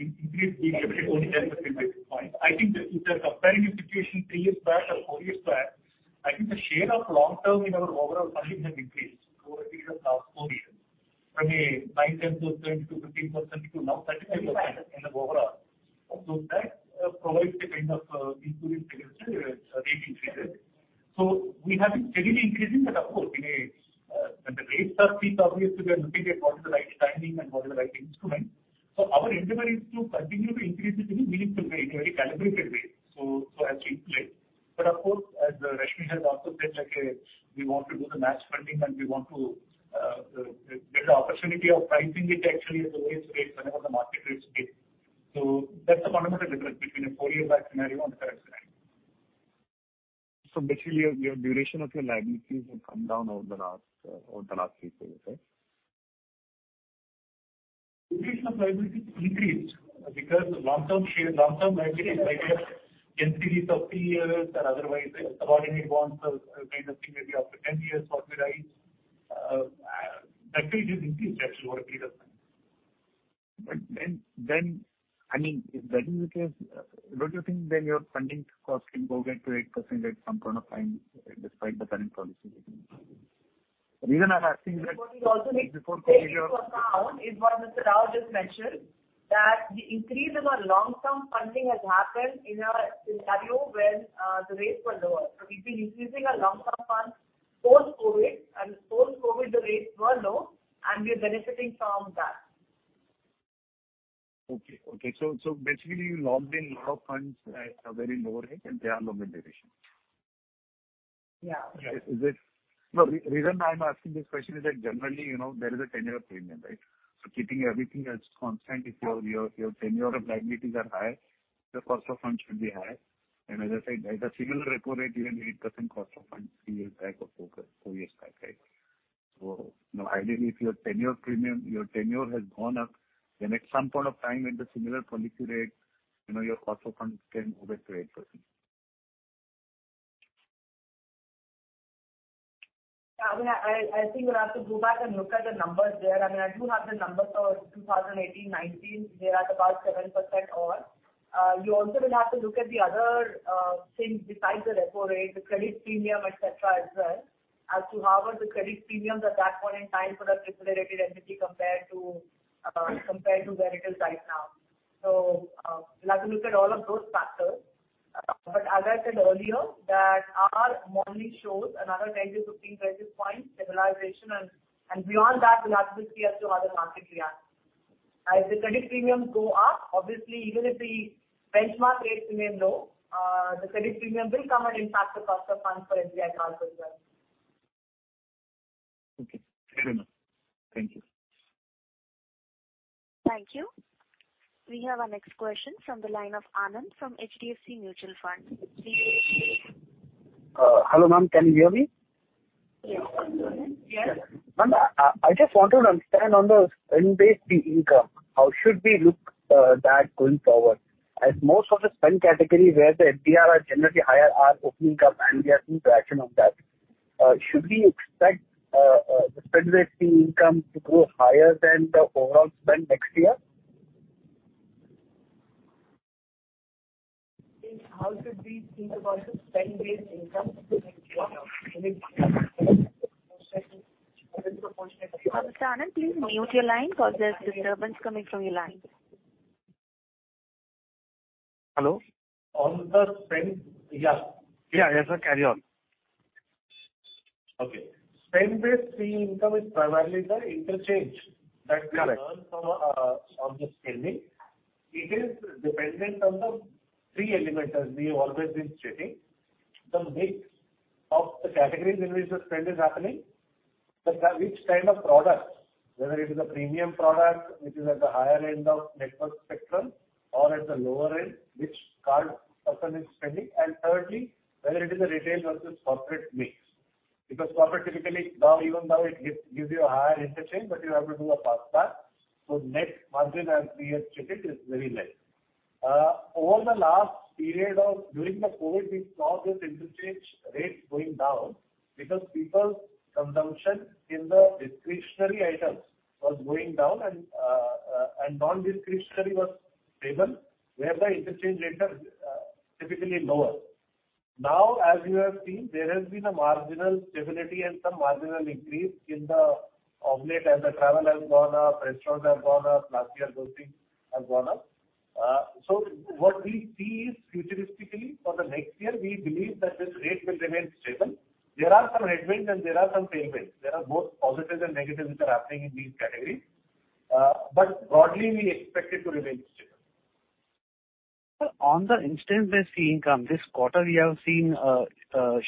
increase being limited only 10-15 basis points? I think if you're comparing the situation three years back or four years back, I think the share of long term in our overall funding has increased over a period of last four years. From a 9%-10%-15% to now 30% kind of overall. That probably is the kind of reason we feel it's rate increases. We have been steadily increasing. Of course when the rates are freed up, obviously we are looking at what is the right timing and what is the right instrument. Our endeavor is to continue to increase it in a meaningful way, in a very calibrated way. As to inflate. Of course, as Rashmi has also said, like, we want to do the match funding and we want to get the opportunity of pricing it actually at the lowest rates whenever the market rates dip. That's the fundamental difference between a four year back scenario and the current scenario. Basically, your duration of your liabilities have come down over the last three quarters, right? Duration of liability increased because long-term share, long-term liability, like a 10 series of three years or otherwise, subordinate bonds or kind of thing maybe after 10 years sort of rise. liability did increase actually over a period of time. Then, I mean, if that is the case, don't you think then your funding cost can go back to 8% at some point of time despite the current policy? The reason I'm asking that. What we also need to take into account is what Mr. Rao just mentioned, that the increase in our long-term funding has happened in a scenario where the rates were lower. We've been increasing our long-term funds post-COVID, and post-COVID the rates were low and we are benefiting from that. Okay. Okay. Basically you logged in a lot of funds at a very lower rate and they are long in duration. Yeah. Is this. No, reason I'm asking this question is that generally, you know, there is a tenure premium, right. Keeping everything else constant, if your tenure of liabilities are high, your cost of funds will be high. And as I said, at a similar repo rate, even 8% cost of funds three years back or four years back, right. You know, ideally if your tenure premium, your tenure has gone up, then at some point of time at the similar policy rate, you know, your cost of funds can move up to 8%. Yeah. I mean, I think you'll have to go back and look at the numbers there. I mean, I do have the numbers for 2018, 2019. They are at about 7%. You also will have to look at the other things besides the repo rate, the credit premium, etc., as well as to how were the credit premiums at that point in time for a AAA rated entity compared to where it is right now. We'll have to look at all of those factors. As I said earlier, that our modeling shows another 10-15 basis points stabilization, and beyond that we'll have to see as to how the market reacts. As the credit premiums go up, obviously, even if the benchmark rates remain low, the credit premium will come and impact the cost of funds for SBI Card as well. Okay. Fair enough. Thank you. Thank you. We have our next question from the line of Anand from HDFC Mutual Fund. Please go ahead. Hello, ma'am. Can you hear me? Yeah. Yes. Ma'am, I just want to understand on the spend-based fee income, how should we look that going forward? As most of the spend category where the MDR are generally higher are opening up and we are seeing traction on that. Should we expect the spend-based fee income to grow higher than the overall spend next year? How should we think about the spend-based income? Mr. Anand, please mute your line because there's disturbance coming from your line. Hello? On the spend, yeah. Yeah. Yes, sir. Carry on. Okay. Spend-based fee income is primarily the interchange- Correct. that we earn from on the spending. It is dependent on the three elements as we have always been stating. The mix of the categories in which the spend is happening. The which kind of products, whether it is a premium product, which is at the higher end of network spectrum or at the lower end, which card person is spending. Thirdly, whether it is a retail versus corporate mix. Corporate typically now, even now it gives you a higher interchange, but you have to do a pass back. Net margin as we have stated is very less. Over the last period of during the COVID, we saw this interchange rates going down because people's consumption in the discretionary items was going down and and non-discretionary was stable, whereby interchange rates are typically lower. Now, as you have seen, there has been a marginal stability and some marginal increase in the outlet as the travel has gone up, restaurants have gone up, luxury or those things have gone up. What we see is futuristically for the next year, we believe that this rate will remain stable. There are some headwinds and there are some tailwinds. There are both positives and negatives which are happening in these categories. Broadly we expect it to remain stable. Sir, on the instance-based fee income, this quarter we have seen a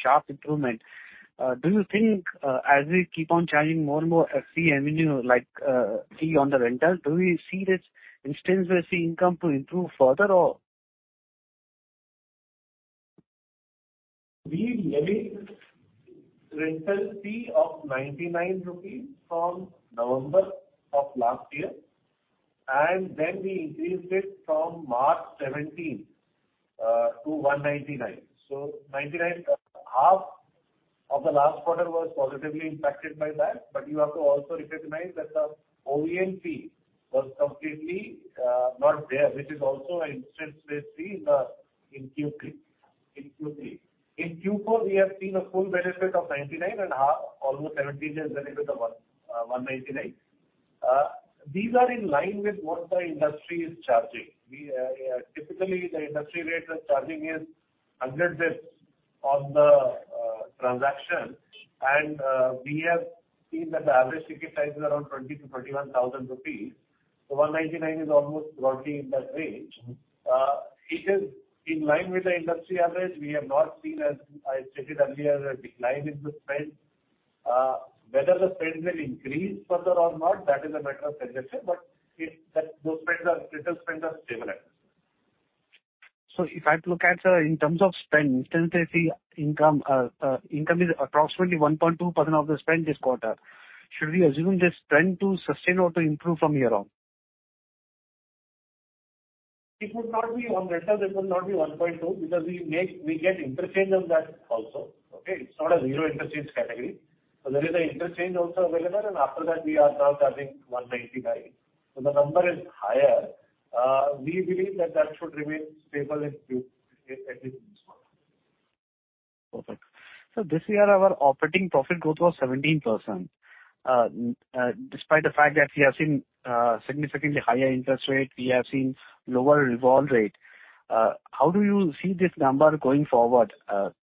sharp improvement. Do you think, as we keep on charging more and more FC revenue like, fee on the rental, do we see this instance-based fee income to improve further or? We raised rental fee of 99 rupees from November of last year. We increased it from March 17th to 199. 99, half of the last quarter, was positively impacted by that. You have to also recognize that the MDR fee was completely not there, which is also an instance-based fee in Q3. In Q4, we have seen a full benefit of 99.5, almost 17 days benefit of 199. These are in line with what the industry is charging. We typically the industry rate of charging is 100 basis points on the transaction. We have seen that the average ticket size is around 20,000-21,000 rupees. 199 is almost roughly in that range. Mm-hmm. It is in line with the industry average. We have not seen, as I stated earlier, a decline in the spend. Whether the spend will increase further or not, that is a matter of conjecture, but that those spends are, digital spends are stable at this point. If I have to look at, in terms of spend, intensity income is approximately 1.2% of the spend this quarter. Should we assume this trend to sustain or to improve from here on? It would not be on rental, it would not be 1.2 because we make, we get interchange on that also. Okay? It's not a zero interchange category. There is an interchange also available, and after that we are now charging 199. The number is higher. We believe that that should remain stable and improve, at least in this quarter. Perfect. This year our operating profit growth was 17%. Despite the fact that we have seen, significantly higher interest rate, we have seen lower revolve rate. How do you see this number going forward?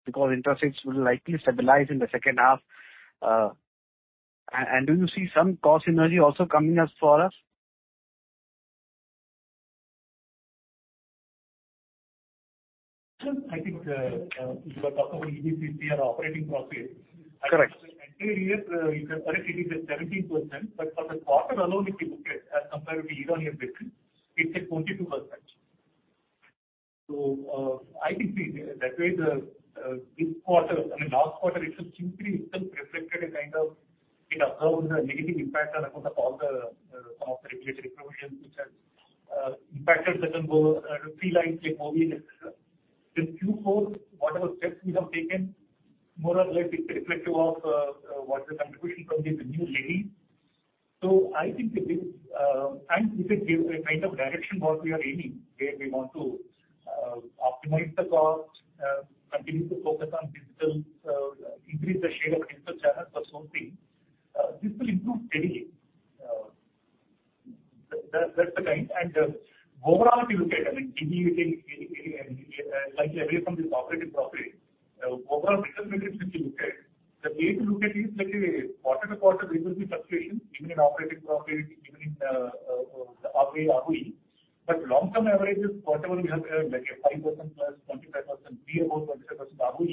Because interest rates will likely stabilize in the second half. Do you see some cost synergy also coming up for us? Sure. I think you were talking about EBITDA or operating profit. Correct. I think the entire year, you correctly said 17%, but for the quarter alone, if you look at as compared to year-on-year basis, it's at 22%. I think we That way the this quarter, I mean, last quarter it has simply itself reflected a kind of negative impact on account of all the all the regulatory provisions which has impacted certain RuPay like MobiKwik, et cetera. This Q4, whatever steps we have taken, more or less is reflective of what the contribution from these new levies. I think this and this is give a kind of direction what we are aiming, where we want to optimize the cost, continue to focus on digital, increase the share of digital channels for some things. This will improve steadily. That's the kind. Overall if you look at, I mean, deviating slightly away from this operating profit, overall business metrics if you look at, the way to look at is like a quarter to quarter there will be fluctuations even in operating profit, even in the ROE. Long term averages quarter on quarter we have, like a 5%+, 25%, be above 25% ROE.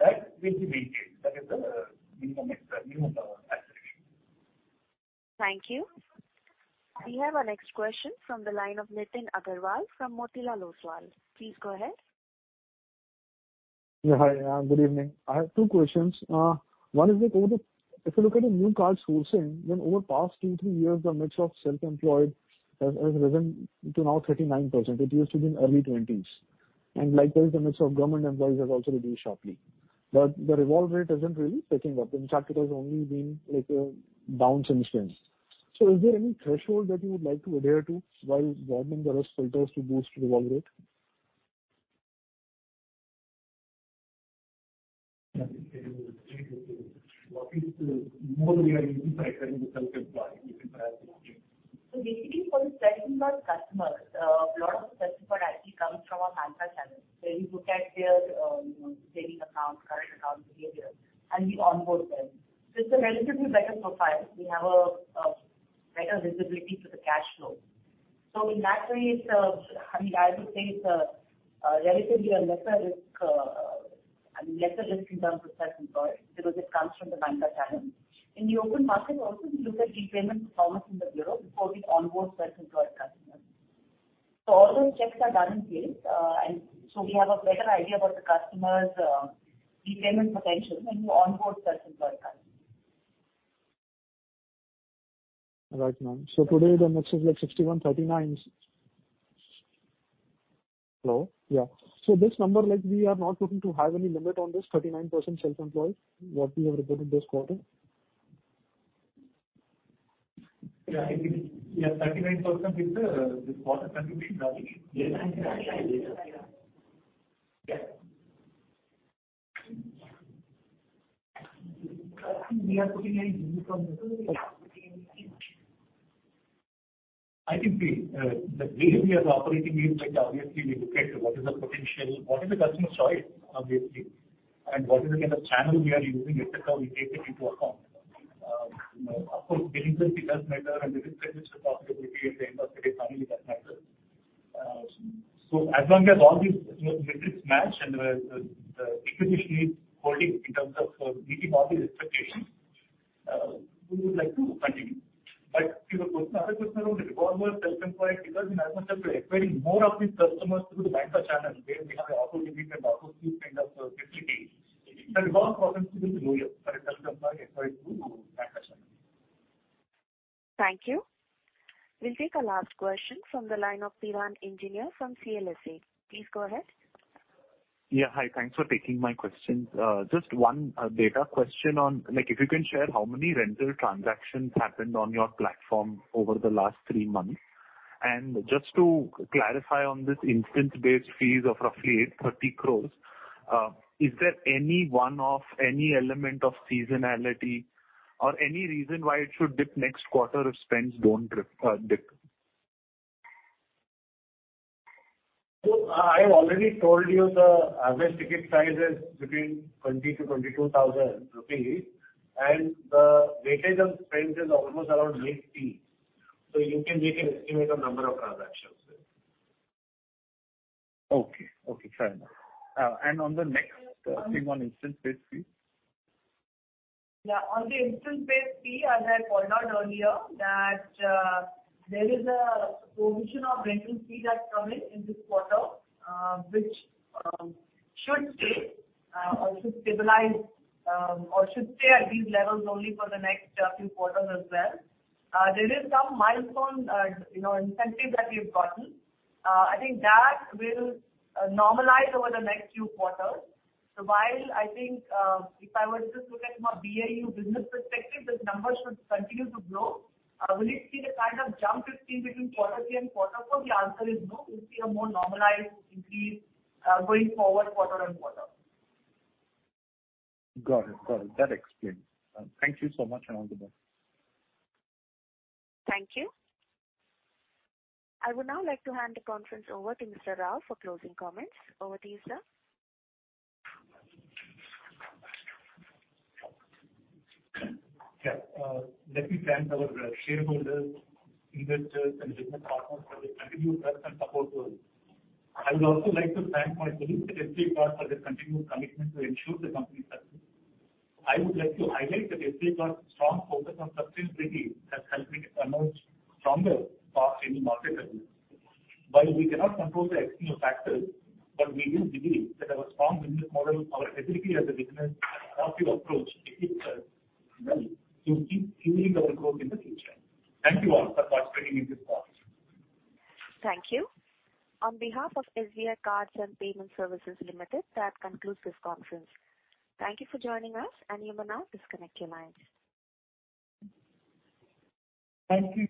That will be maintained. That is the minimum aspiration. Thank you. We have our next question from the line of Nitin Aggarwal from Motilal Oswal. Please go ahead. Yeah, hi. Good evening. I have two questions. One is that over the If you look at the new card sourcing, then over past two, three years, the mix of self-employed has risen to now 39%. It used to be in early twenties. Likewise, the mix of government employees has also reduced sharply. The revolve rate isn't really picking up. In fact, it has only been like a bounce and strength. Is there any threshold that you would like to adhere to while broadening the risk filters to boost revolve rate? I think what is the more we are impacting the self-employed, you can perhaps explain. Basically for the self-employed customers, a lot of the self-employed actually comes from our banker channel, where we look at their, you know, savings account, current account behavior, and we onboard them. It's a relatively better profile. We have a better visibility to the cash flow. In that way it's, I mean, I would say it's a relatively a lesser risk, I mean, lesser risk in terms of self-employed because it comes from the banker channel. In the open market also, we look at repayment performance in the bureau before we onboard self-employed customers. All those checks are done in place. We have a better idea about the customer's repayment potential when we onboard self-employed customers. Right, ma'am. Today the mix is like 61, 39. Hello? Yeah. This number like we are not looking to have any limit on this 39% self-employed, what we have reported this quarter? Yeah, I think, yeah, 39% is, this quarter continuing largely. Yes. Yeah. I think we are putting any limit on this. No, we're not putting any limit. I think the way we are operating is like obviously we look at what is the potential, what is the customer's choice obviously, and what is the kind of channel we are using, et cetera, we take it into account. You know, of course billing simply does matter and the risk-return profitability at the end of the day finally does matter. So as long as all these, you know, metrics match and the equation is holding in terms of meeting market expectations, we would like to continue. Your question, other question around revolve self-employed, because in Banca we are acquiring more of these customers through the Banca channel, where we have a auto-limit and auto-fee kind of flexibility. The revolve problems will be lower for a self-employed acquired through Banca channel. Thank you. We'll take our last question from the line of Piran Engineer from CLSA. Please go ahead. Yeah. Hi. Thanks for taking my questions. Just one data question on like if you can share how many rental transactions happened on your platform over the last three months. Just to clarify on this instance based fees of roughly 830 crores, is there any one-off, any element of seasonality or any reason why it should dip next quarter if spends don't dip? I have already told you the average ticket size is between 20,000-22,000 rupees and the weightage of spends is almost around 60%. You can make an estimate of number of transactions there. Okay. Okay, fair enough. On the next thing on instant pay fee. Yeah, on the instant pay fee, as I called out earlier that, there is a provision of rental fee that's coming in this quarter, which should stay, or should stabilize, or should stay at these levels only for the next few quarters as well. There is some milestone, you know, incentive that we've gotten. I think that will normalize over the next few quarters. While I think, if I were to just look at from a BAU business perspective, this number should continue to grow. Will it see the kind of jump we've seen between quarter three and quarter four? The answer is no. We'll see a more normalized increase, going forward quarter on quarter. Got it. Got it. That explains. Thank you so much, and all the best. Thank you. I would now like to hand the conference over to Mr. Rao for closing comments. Over to you, sir. Let me thank our shareholders, investors and business partners for their continued trust and support to us. I would also like to thank my team at SBI Card for their continued commitment to ensure the company's success. I would like to highlight that SBI Card's strong focus on sustainability has helped make us emerge stronger to pass any market turbulence. While we cannot control the external factors, but we do believe that our strong business model, our agility as a business and adaptive approach to keep us well to keep fueling our growth in the future. Thank you all for participating in this call. Thank you. On behalf of SBI Cards and Payment Services Limited, that concludes this conference. Thank you for joining us and you may now disconnect your lines. Thank you.